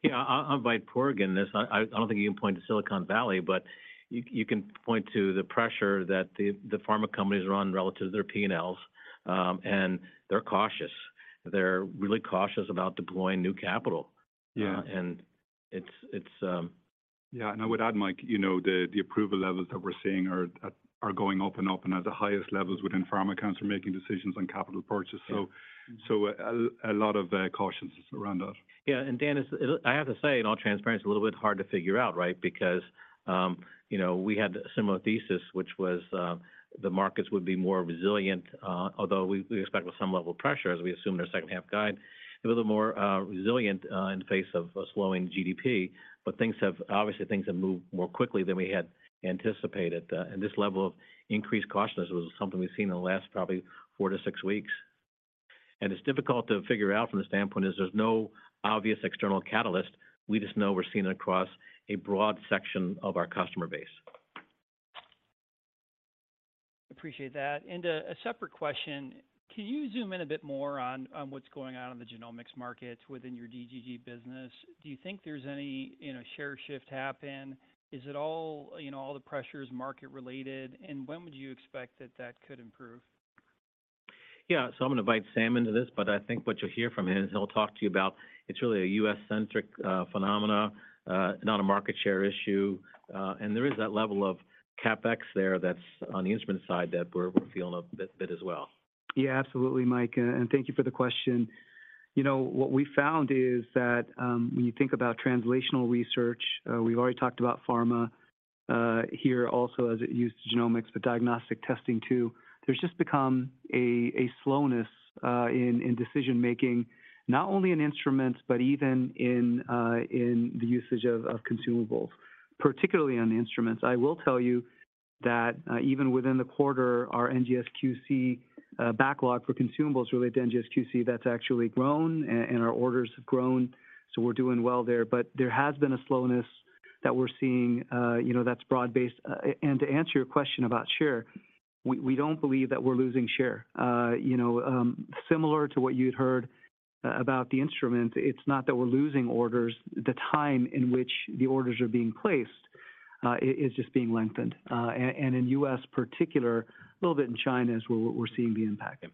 [SPEAKER 3] Yeah. I'll invite Padraig in this. I don't think you can point to Silicon Valley, but you can point to the pressure that the pharma companies are on relative to their P&Ls, and they're cautious. They're really cautious about deploying new capital.
[SPEAKER 4] Yeah.
[SPEAKER 3] It's.
[SPEAKER 13] Yeah, I would add, Mike, you know, the approval levels that we're seeing are going up and up and at the highest levels within pharma accounts for making decisions on capital purchase.
[SPEAKER 3] Yeah.
[SPEAKER 13] A lot of cautions around that.
[SPEAKER 3] Yeah, Dan, I have to say, in all transparency, a little bit hard to figure out, right? You know, we had a similar thesis, which was, the markets would be more resilient, although we expect with some level of pressure as we assume their second half guide, a little more resilient, in the face of a slowing GDP. Obviously, things have moved more quickly than we had anticipated. This level of increased cautiousness was something we've seen in the last probably 4-6 weeks. It's difficult to figure out from the standpoint is there's no obvious external catalyst. We just know we're seeing it across a broad section of our customer base.
[SPEAKER 12] Appreciate that. A separate question, can you zoom in a bit more on what's going on in the genomics markets within your DGG business? Do you think there's any, you know, share shift happen? Is it all, you know, all the pressures market related? When would you expect that could improve?
[SPEAKER 3] Yeah. I'm going to invite Sam into this, but I think what you'll hear from him is he'll talk to you about it's really a U.S.-centric phenomena, not a market share issue. There is that level of CapEx there that's on the instrument side that we're feeling a bit as well.
[SPEAKER 14] Yeah, absolutely, Mike. Thank you for the question. You know, what we found is that, when you think about translational research, we've already talked about pharma here also as it used genomics, but diagnostic testing too. There's just become a slowness in decision-making not only in instruments, but even in the usage of consumables, particularly on the instruments. I will tell you that, even within the quarter, our NGSQC backlog for consumables related to NGSQC, that's actually grown and our orders have grown, so we're doing well there. There has been a slowness that we're seeing, you know, that's broad-based. To answer your question about share, we don't believe that we're losing share. You know, similar to what you'd heard about the instrument, it's not that we're losing orders. The time in which the orders are being placed, is just being lengthened. In U.S. particular, a little bit in China is where we're seeing the impact.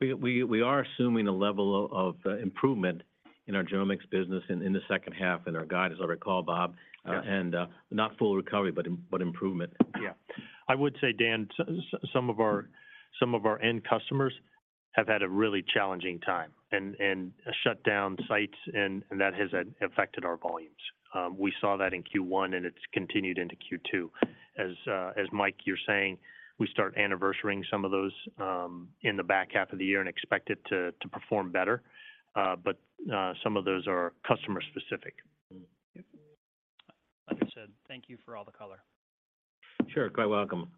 [SPEAKER 3] We are assuming a level of improvement in our genomics business in the second half, and our guide, as I recall, Robert McMahon.
[SPEAKER 14] Uh-huh.
[SPEAKER 3] Not full recovery, but improvement.
[SPEAKER 14] Yeah.
[SPEAKER 3] I would say, Dan, some of our end customers have had a really challenging time and shut down sites, and that has affected our volumes. We saw that in Q1, and it's continued into Q2. As Mike, you're saying, we start anniversarying some of those in the back half of the year and expect it to perform better. Some of those are customer specific.
[SPEAKER 12] Like I said, thank you for all the color.
[SPEAKER 3] Sure. Quite welcome.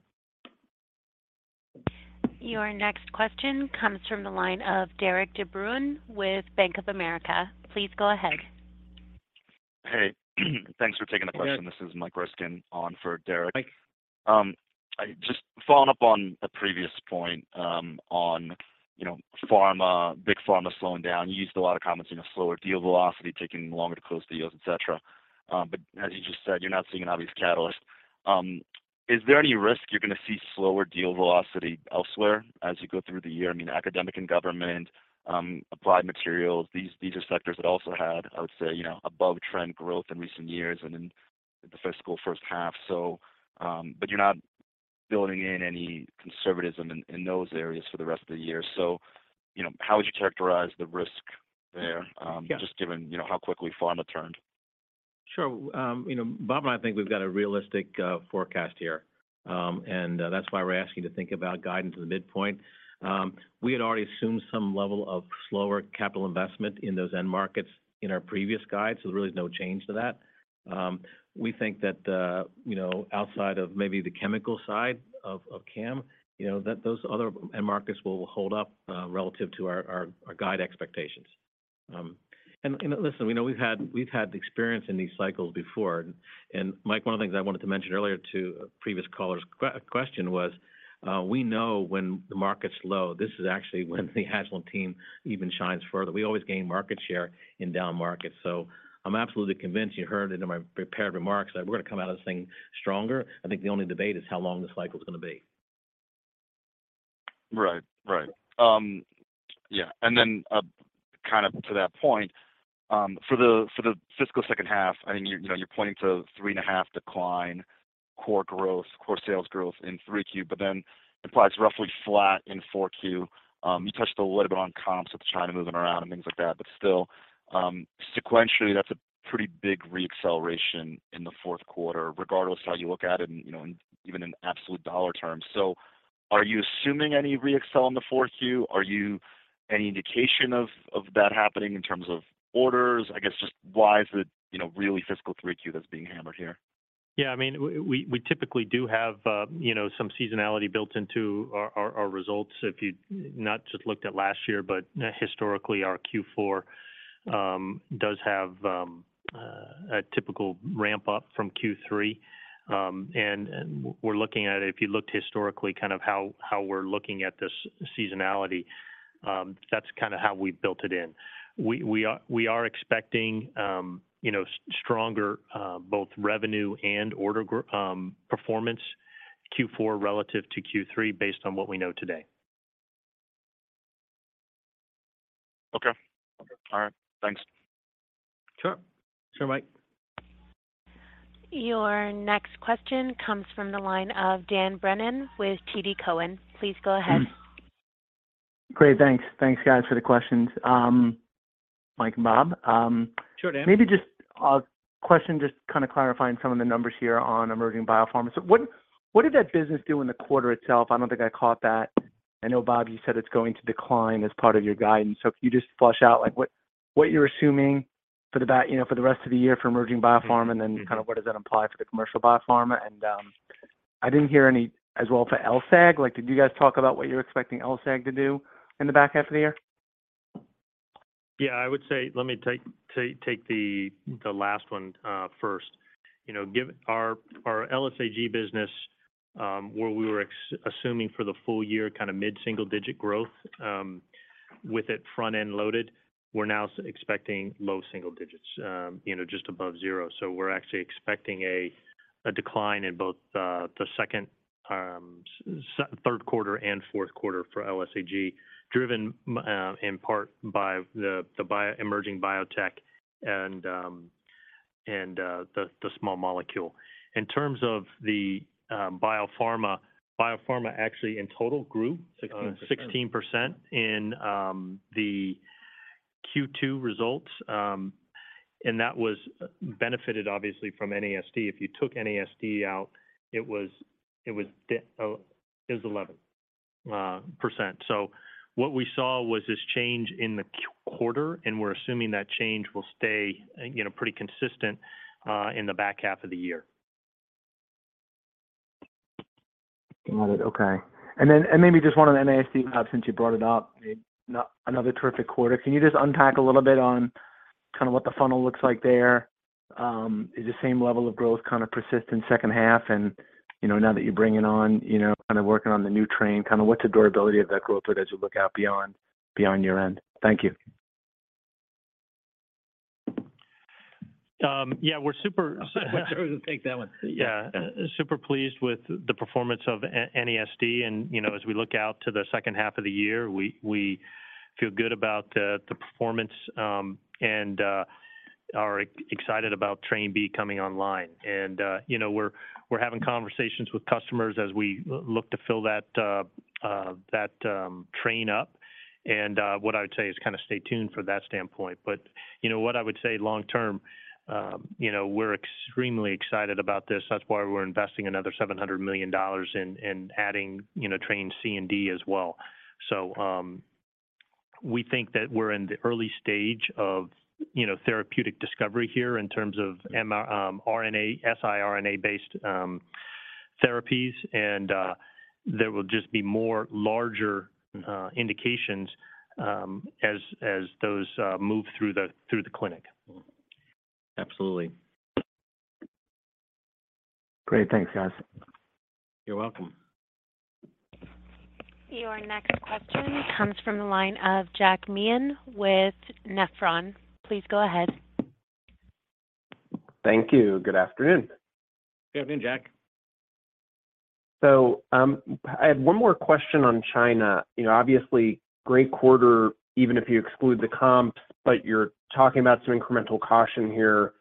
[SPEAKER 1] Your next question comes from the line of Derik De Bruin with Bank of America. Please go ahead.
[SPEAKER 13] Hey, thanks for taking the question.
[SPEAKER 3] Yeah.
[SPEAKER 13] This is Mike Ryskin on for Derik.
[SPEAKER 3] Mike.
[SPEAKER 13] Just following up on a previous point, on, you know, pharma, big pharma slowing down. You used a lot of comments, you know, slower deal velocity, taking longer to close deals, et cetera. As you just said, you're not seeing an obvious catalyst. Is there any risk you're going to see slower deal velocity elsewhere as you go through the year? I mean, academic and government, applied materials, these are sectors that also had, I would say, you know, above trend growth in recent years and in the fiscal first half. You're not building in any conservatism in those areas for the rest of the year. You know, how would you characterize the risk there?
[SPEAKER 3] Yeah.
[SPEAKER 13] just given, you know, how quickly pharma turned?
[SPEAKER 3] Sure. You know, Bob and I think we've got a realistic forecast here, and that's why we're asking to think about guidance at the midpoint. We had already assumed some level of slower capital investment in those end markets in our previous guide, so there's really no change to that. We think that, you know, outside of maybe the chemical side of CAM, you know, that those other end markets will hold up relative to our, our guide expectations. Listen, you know, we've had the experience in these cycles before, and Mike, one of the things I wanted to mention earlier to a previous caller's question was, we know when the market's low. This is actually when the Agilent team even shines further. We always gain market share in down markets. I'm absolutely convinced, you heard it in my prepared remarks, that we're going to come out of this thing stronger. I think the only debate is how long this cycle is going to be.
[SPEAKER 13] Right. Yeah. kind of to that point, for the fiscal second half, I mean, you know, you're pointing to 3.5% decline, core growth, core sales growth in 3Q, but then implies roughly flat in 4Q. You touched a little bit on comps with China moving around and things like that, but still, sequentially, that's a pretty big re-acceleration in the 4Q, regardless of how you look at it and, you know, even in absolute dollar terms. Are you assuming any re-accel in the 4Q? Are you any indication of that happening in terms of orders? I guess just why is it, really fiscal 3Q that's being hammered here?
[SPEAKER 3] Yeah, I mean, we typically do have, you know, some seasonality built into our results. If you not just looked at last year, but historically our Q4 does have a typical ramp up from Q3. We're looking at it, if you looked historically kind of how we're looking at this seasonality, that's kind of how we built it in. We are expecting, you know, stronger both revenue and order performance Q4 relative to Q3 based on what we know today.
[SPEAKER 15] Okay. All right. Thanks.
[SPEAKER 3] Sure. Sure, Mike.
[SPEAKER 1] Your next question comes from the line of Dan Brennan with TD Cowen. Please go ahead.
[SPEAKER 16] Great. Thanks. Thanks, guys, for the questions. Mike and Bob.
[SPEAKER 3] Sure, Dan.
[SPEAKER 16] Maybe just a question just kind of clarifying some of the numbers here on emerging biopharmas. What did that business do in the quarter itself? I don't think I caught that. I know, Bob, you said it's going to decline as part of your guidance. Can you just flush out, like, what you're assuming for the you know, for the rest of the year for emerging biopharma and then kind of what does that imply for the commercial biopharma? I didn't hear any as well for LSAG. Like, did you guys talk about what you're expecting LSAG to do in the back half of the year?
[SPEAKER 4] I would say let me take the last one first. You know, our LSAG business, where we were assuming for the full year kind of mid-single digit growth, with it front-end loaded, we're now expecting low single digits, you know, just above zero. We're actually expecting a decline in both the second, third quarter and fourth quarter for LSAG, driven in part by the emerging biotech and the small molecule. In terms of the biopharma actually in total grew.
[SPEAKER 3] 16%
[SPEAKER 4] 16% in the Q2 results. That was benefited obviously from NASD. If you took NASD out, it was it was 11%. What we saw was this change in the quarter, and we're assuming that change will stay, you know, pretty consistent in the back half of the year.
[SPEAKER 16] Got it. Okay. Then, maybe just one on NASD, Bob, since you brought it up. Another terrific quarter. Can you just unpack a little bit on kind of what the funnel looks like there? Is the same level of growth kind of persist in second half? You know, now that you're bringing on, you know, kind of working on the new train, kind of what's the durability of that growth as you look out beyond your end? Thank you.
[SPEAKER 4] Yeah, we're
[SPEAKER 3] I'll take that one.
[SPEAKER 4] Yeah. Super pleased with the performance of NASD. You know, as we look out to the second half of the year, we feel good about the performance and are excited about Train B coming online. You know, we're having conversations with customers as we look to fill that Train up. What I would say is kind of stay tuned for that standpoint. You know, what I would say long term, you know, we're extremely excited about this. That's why we're investing another $700 million in adding, you know, Train C and D as well. We think that we're in the early stage of, you know, therapeutic discovery here in terms of RNA, siRNA-based therapies. There will just be more larger indications as those move through the clinic.
[SPEAKER 3] Absolutely.
[SPEAKER 16] Great. Thanks, guys.
[SPEAKER 3] You're welcome.
[SPEAKER 1] Your next question comes from the line of Jack Meehan with Nephron. Please go ahead.
[SPEAKER 15] Thank you. Good afternoon.
[SPEAKER 3] Good afternoon, Jack.
[SPEAKER 15] I have one more question on China. You know, obviously great quarter, even if you exclude the comps, but you're talking about some incremental caution here.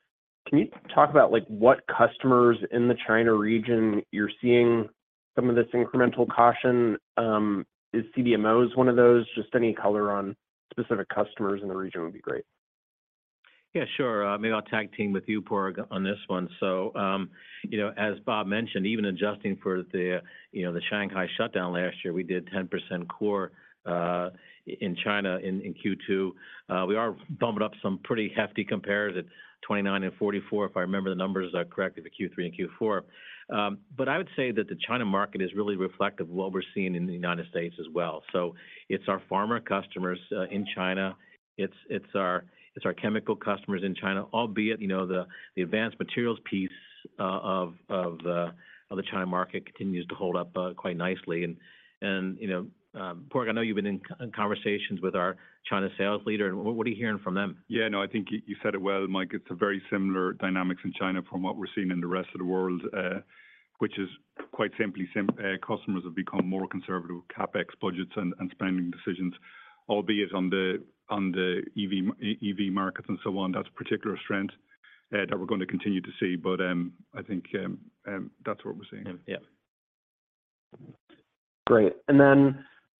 [SPEAKER 15] Can you talk about, like, what customers in the China region you're seeing some of this incremental caution? Is CDMOs one of those? Just any color on specific customers in the region would be great.
[SPEAKER 3] Yeah, sure. Maybe I'll tag team with you, Padraig, on this one. You know, as Bob mentioned, even adjusting for the, you know, the Shanghai shutdown last year, we did 10% core in China in Q2. We are bumping up some pretty hefty compares at 29% and 44%, if I remember the numbers correctly, the Q3 and Q4. I would say that the China market is really reflective of what we're seeing in the United States as well. So it's our pharma customers in China. It's our chemical customers in China, albeit, you know, the advanced materials piece of the China market continues to hold up quite nicely. And, you know, Padraig, I know you've been in conversations with our China sales leader. What are you hearing from them?
[SPEAKER 9] Yeah. No, I think you said it well, Mike. It's a very similar dynamics in China from what we're seeing in the rest of the world, which is quite simply customers have become more conservative, CapEx budgets and spending decisions, albeit on the EV markets and so on. That's a particular strength that we're gonna continue to see. I think that's what we're seeing.
[SPEAKER 3] Yeah.
[SPEAKER 15] Great.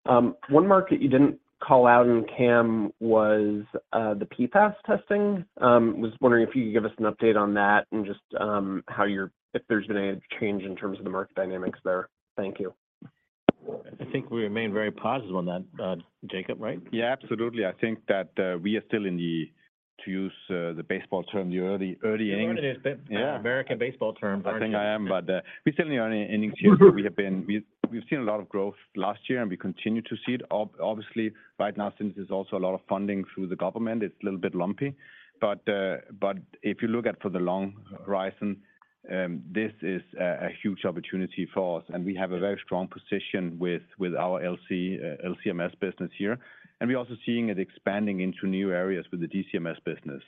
[SPEAKER 15] One market you didn't call out in CAM was the PFAS testing. Was wondering if you could give us an update on that and just how there's been any change in terms of the market dynamics there. Thank you.
[SPEAKER 3] I think we remain very positive on that, Jacob, right?
[SPEAKER 11] Absolutely. I think that, we are still in the, to use, the baseball term, the early innings.
[SPEAKER 3] You know your American baseball terms.
[SPEAKER 9] I think I am. We certainly are in innings here. We've seen a lot of growth last year, and we continue to see it. Obviously, right now, since there's also a lot of funding through the government, it's a little bit lumpy. If you look at for the long horizon.
[SPEAKER 4] This is a huge opportunity for us, and we have a very strong position with our LC LC-MS business here. We're also seeing it expanding into new areas with the LC-MS business.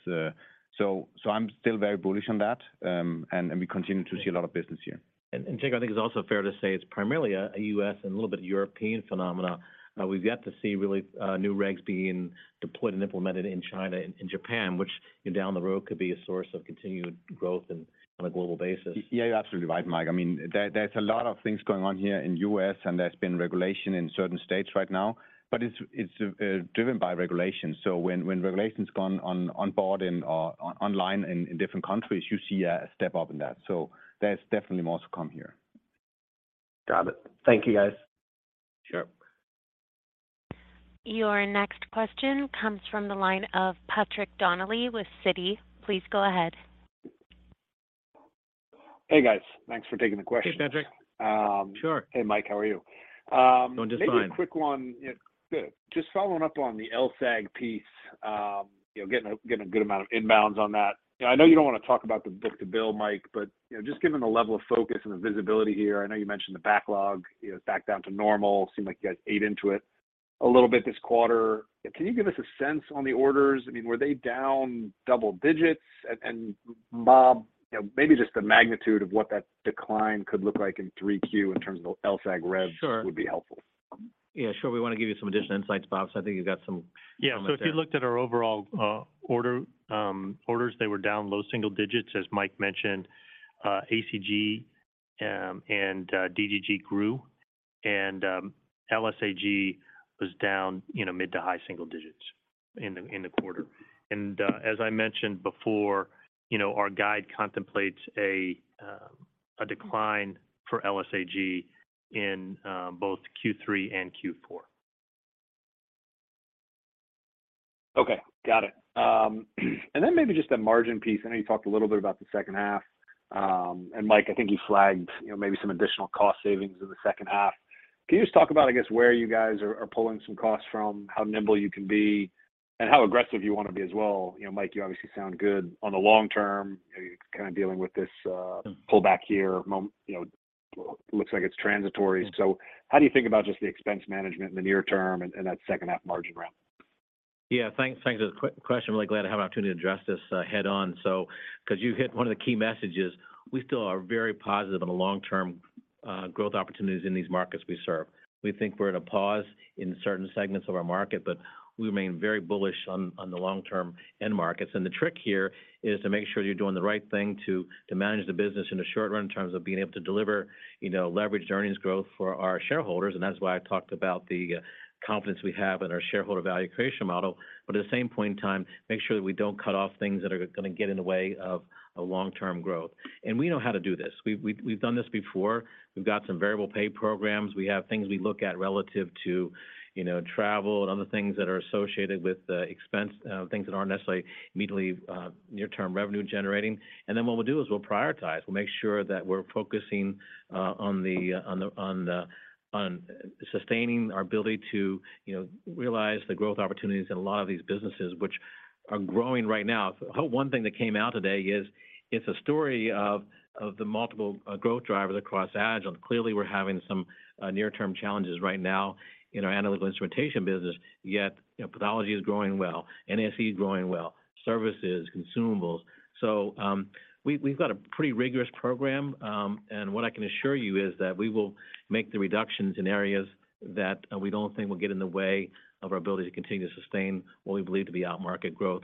[SPEAKER 4] I'm still very bullish on that. We continue to see a lot of business here.
[SPEAKER 3] Jake, I think it's also fair to say it's primarily a US and a little bit European phenomena. We've yet to see really, new regs being deployed and implemented in China and Japan, which, you know, down the road could be a source of continued growth on a global basis.
[SPEAKER 4] Yeah, you're absolutely right, Mike. I mean, there's a lot of things going on here in U.S., and there's been regulation in certain states right now. It's driven by regulation. When regulation's gone on board and on-online in different countries, you see a step up in that. There's definitely more to come here.
[SPEAKER 3] Got it. Thank you, guys.
[SPEAKER 4] Sure.
[SPEAKER 1] Your next question comes from the line of Patrick Donnelly with Citi. Please go ahead.
[SPEAKER 17] Hey, guys. Thanks for taking the question.
[SPEAKER 3] Hey, Patrick.
[SPEAKER 4] Sure.
[SPEAKER 17] Hey, Mike. How are you?
[SPEAKER 3] Doing just fine.
[SPEAKER 17] Maybe a quick one. Yeah, good. Just following up on the LSAG piece, you know, getting a good amount of inbounds on that. You know, I know you don't wanna talk about the book-to-bill, Mike, but, you know, just given the level of focus and the visibility here, I know you mentioned the backlog, you know, is back down to normal. Seemed like you guys ate into it a little bit this quarter. Can you give us a sense on the orders? I mean, were they down double digits? Bob, you know, maybe just the magnitude of what that decline could look like in 3Q in terms of LSAG rev-
[SPEAKER 3] Sure.
[SPEAKER 17] Would be helpful.
[SPEAKER 3] Yeah, sure. We wanna give you some additional insights, Bob, so I think you've got some comments there.
[SPEAKER 4] Yeah. If you looked at our overall order orders, they were down low single digits, as Mike mentioned. ACG and DGG grew. LSAG was down, you know, mid to high single digits in the quarter. As I mentioned before, you know, our guide contemplates a decline for LSAG in both Q3 and Q4.
[SPEAKER 17] Okay. Got it. Then maybe just the margin piece. I know you talked a little bit about the second half. Mike, I think you flagged, you know, maybe some additional cost savings in the second half. Can you just talk about, I guess, where you guys are pulling some costs from, how nimble you can be, and how aggressive you wanna be as well? You know, Mike, you obviously sound good on the long term. You know, you're kind of dealing with this pullback here, you know, looks like it's transitory. How do you think about just the expense management in the near term and that second half margin ramp?
[SPEAKER 3] Yeah. Thanks. Thanks for the question. Really glad to have an opportunity to address this head on. Because you hit one of the key messages, we still are very positive on the long-term growth opportunities in these markets we serve. We think we're at a pause in certain segments of our market, but we remain very bullish on the long-term end markets. The trick here is to make sure you're doing the right thing to manage the business in the short run in terms of being able to deliver, you know, leveraged earnings growth for our shareholders. That's why I talked about the confidence we have in our shareholder value creation model. At the same point in time, make sure that we don't cut off things that are gonna get in the way of long-term growth. We know how to do this. We've done this before. We've got some variable pay programs. We have things we look at relative to, you know, travel and other things that are associated with expense, things that aren't necessarily immediately near term revenue generating. Then what we'll do is we'll prioritize. We'll make sure that we're focusing on the sustaining our ability to, you know, realize the growth opportunities in a lot of these businesses, which are growing right now. One thing that came out today is it's a story of the multiple growth drivers across Agilent. Clearly, we're having some near term challenges right now in our analytical instrumentation business, yet, you know, pathology is growing well. NASD is growing well. Services, consumables. We've got a pretty rigorous program. What I can assure you is that we will make the reductions in areas that we don't think will get in the way of our ability to continue to sustain what we believe to be outmarket growth.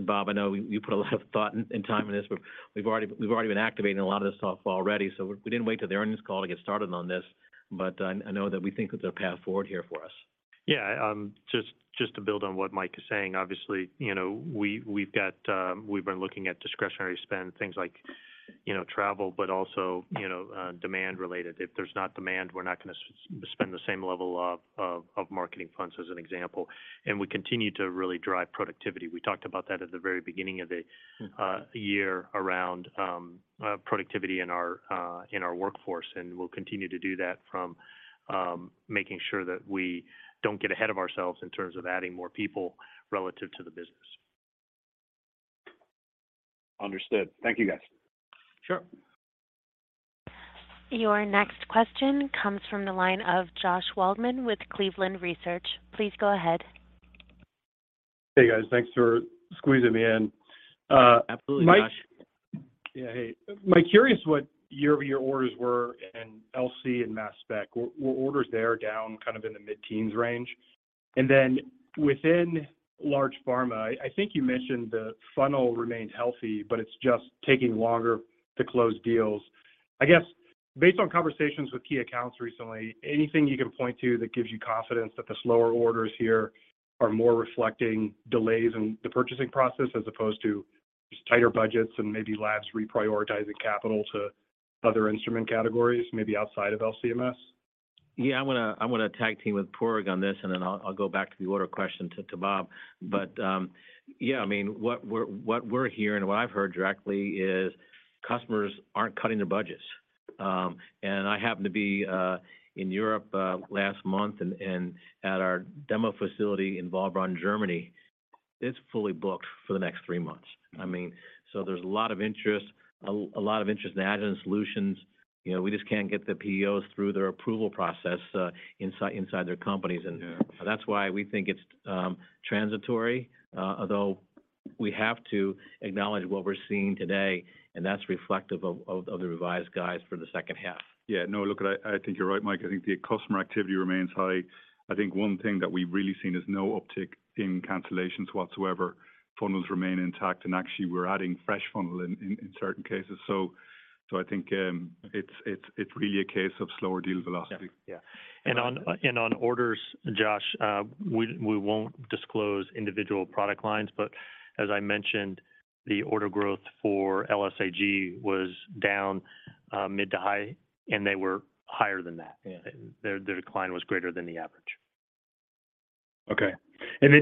[SPEAKER 3] Bob, I know you put a lot of thought and time in this, but we've already been activating a lot of this stuff already. We didn't wait till the earnings call to get started on this. I know that we think it's a path forward here for us.
[SPEAKER 4] Yeah. Just to build on what Mike is saying, obviously, you know, we've got, we've been looking at discretionary spend, things like, you know, travel, but also, you know, demand related. If there's not demand, we're not gonna spend the same level of marketing funds as an example. We continue to really drive productivity. We talked about that at the very beginning of the-
[SPEAKER 3] Mm-hmm...
[SPEAKER 4] year-round productivity in our workforce. We'll continue to do that from making sure that we don't get ahead of ourselves in terms of adding more people relative to the business.
[SPEAKER 17] Understood. Thank you, guys.
[SPEAKER 3] Sure.
[SPEAKER 1] Your next question comes from the line of Josh Waldman with Cleveland Research. Please go ahead.
[SPEAKER 18] Hey, guys. Thanks for squeezing me in.
[SPEAKER 3] Absolutely, Josh.
[SPEAKER 18] Mike. Yeah, hey. Mike, curious what year-over-year orders were in LC and mass spec. Were orders there down kind of in the mid-teens range? Then within large pharma, I think you mentioned the funnel remained healthy, but it's just taking longer to close deals. I guess, based on conversations with key accounts recently, anything you can point to that gives you confidence that the slower orders here are more reflecting delays in the purchasing process as opposed to just tighter budgets and maybe labs reprioritizing capital to other instrument categories, maybe outside of LC-MS?
[SPEAKER 3] Yeah. I wanna tag team with Padraig on this, and then I'll go back to the order question to Bob. Yeah, I mean, what we're hearing, what I've heard directly is customers aren't cutting their budgets. I happened to be in Europe last month and at our demo facility in Waldbronn, Germany. It's fully booked for the next 3 months. I mean, there's a lot of interest in Agilent solutions. You know, we just can't get the POs through their approval process inside their companies.
[SPEAKER 9] Yeah.
[SPEAKER 3] That's why we think it's transitory. Although we have to acknowledge what we're seeing today, and that's reflective of the revised guides for the second half.
[SPEAKER 9] No, look, I think you're right, Mike. I think the customer activity remains high. I think one thing that we've really seen is no uptick in cancellations whatsoever. Funnels remain intact, and actually we're adding fresh funnel in certain cases. I think it's really a case of slower deal velocity.
[SPEAKER 3] Yeah. Yeah.
[SPEAKER 4] On orders, Josh, we won't disclose individual product lines. As I mentioned, the order growth for LSAG was down mid to high, and they were higher than that.
[SPEAKER 9] Yeah.
[SPEAKER 4] Their decline was greater than the average.
[SPEAKER 18] Okay.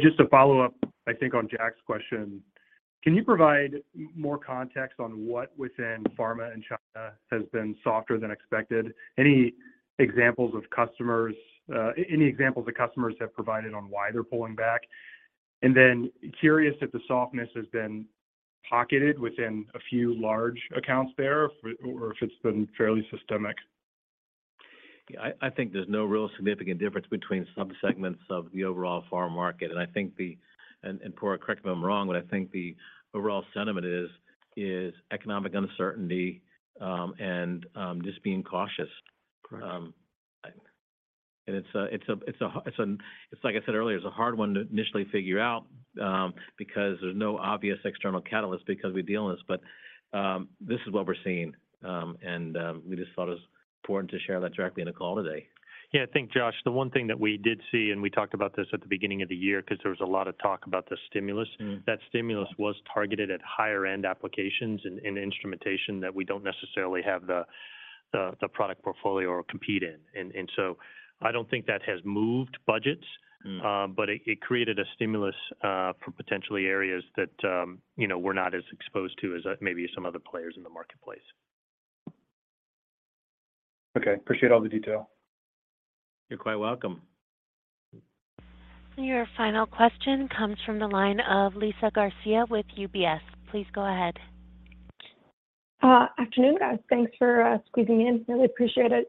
[SPEAKER 18] Just to follow up, I think on Jack's question, can you provide more context on what within pharma and China has been softer than expected? Any examples that customers have provided on why they're pulling back? Curious if the softness has been pocketed within a few large accounts there or if it's been fairly systemic.
[SPEAKER 3] Yeah, I think there's no real significant difference between sub-segments of the overall pharma market. Paurav, correct me if I'm wrong, but I think the overall sentiment is economic uncertainty, and just being cautious. It's like I said earlier, it's a hard one to initially figure out, because there's no obvious external catalyst because we deal in this. This is what we're seeing. We just thought it was important to share that directly in the call today.
[SPEAKER 4] Yeah. I think, Josh, the one thing that we did see, and we talked about this at the beginning of the year, 'cause there was a lot of talk about the stimulus-
[SPEAKER 9] Mm.
[SPEAKER 4] That stimulus was targeted at higher end applications and instrumentation that we don't necessarily have the product portfolio or compete in. So I don't think that has moved budgets.
[SPEAKER 9] Mm.
[SPEAKER 4] it created a stimulus for potentially areas that, you know, we're not as exposed to as maybe some other players in the marketplace.
[SPEAKER 18] Okay. Appreciate all the detail.
[SPEAKER 4] You're quite welcome.
[SPEAKER 1] Your final question comes from the line of Liza Garcia with UBS. Please go ahead.
[SPEAKER 19] Afternoon, guys. Thanks for squeezing me in. Really appreciate it.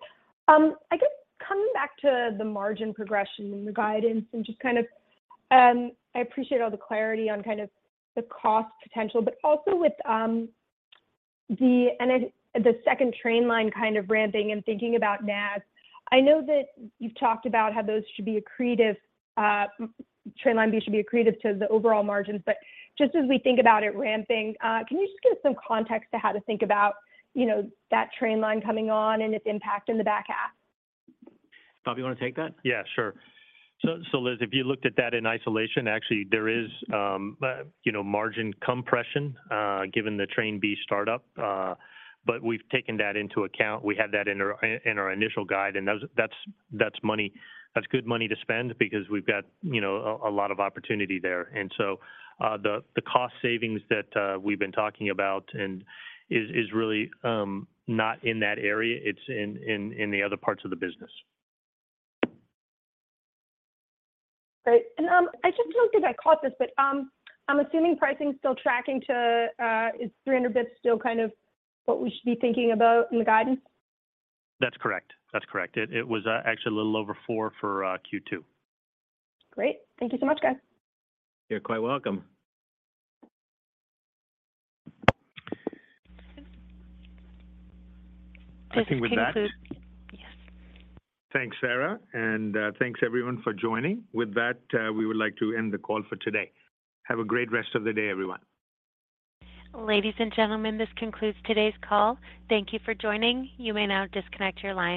[SPEAKER 19] I guess coming back to the margin progression and the guidance and just kind of, I appreciate all the clarity on kind of the cost potential, but also with the and then the second train line kind of ramping and thinking about NAS, I know that you've talked about how those should be accretive, Train B should be accretive to the overall margins. Just as we think about it ramping, can you just give some context to how to think about, you know, that train line coming on and its impact in the back half?
[SPEAKER 4] Bob, you wanna take that?
[SPEAKER 3] Yeah, sure. So Liza, if you looked at that in isolation, actually there is, you know, margin compression, given the Train B startup. But we've taken that into account. We had that in our initial guide, and that was, that's money, that's good money to spend because we've got, you know, a lot of opportunity there. The cost savings that we've been talking about and is really not in that area. It's in the other parts of the business.
[SPEAKER 19] Great. I just don't think I caught this, but, I'm assuming pricing's still tracking to, is 300 basis points still kind of what we should be thinking about in the guidance?
[SPEAKER 3] That's correct. It was actually a little over four for Q2.
[SPEAKER 19] Great. Thank you so much, guys.
[SPEAKER 3] You're quite welcome.
[SPEAKER 1] This concludes-
[SPEAKER 9] I think with that.
[SPEAKER 1] Yes.
[SPEAKER 9] Thanks, Sarah. Thanks everyone for joining. With that, we would like to end the call for today. Have a great rest of the day, everyone.
[SPEAKER 1] Ladies and gentlemen, this concludes today's call. Thank you for joining. You may now disconnect your line.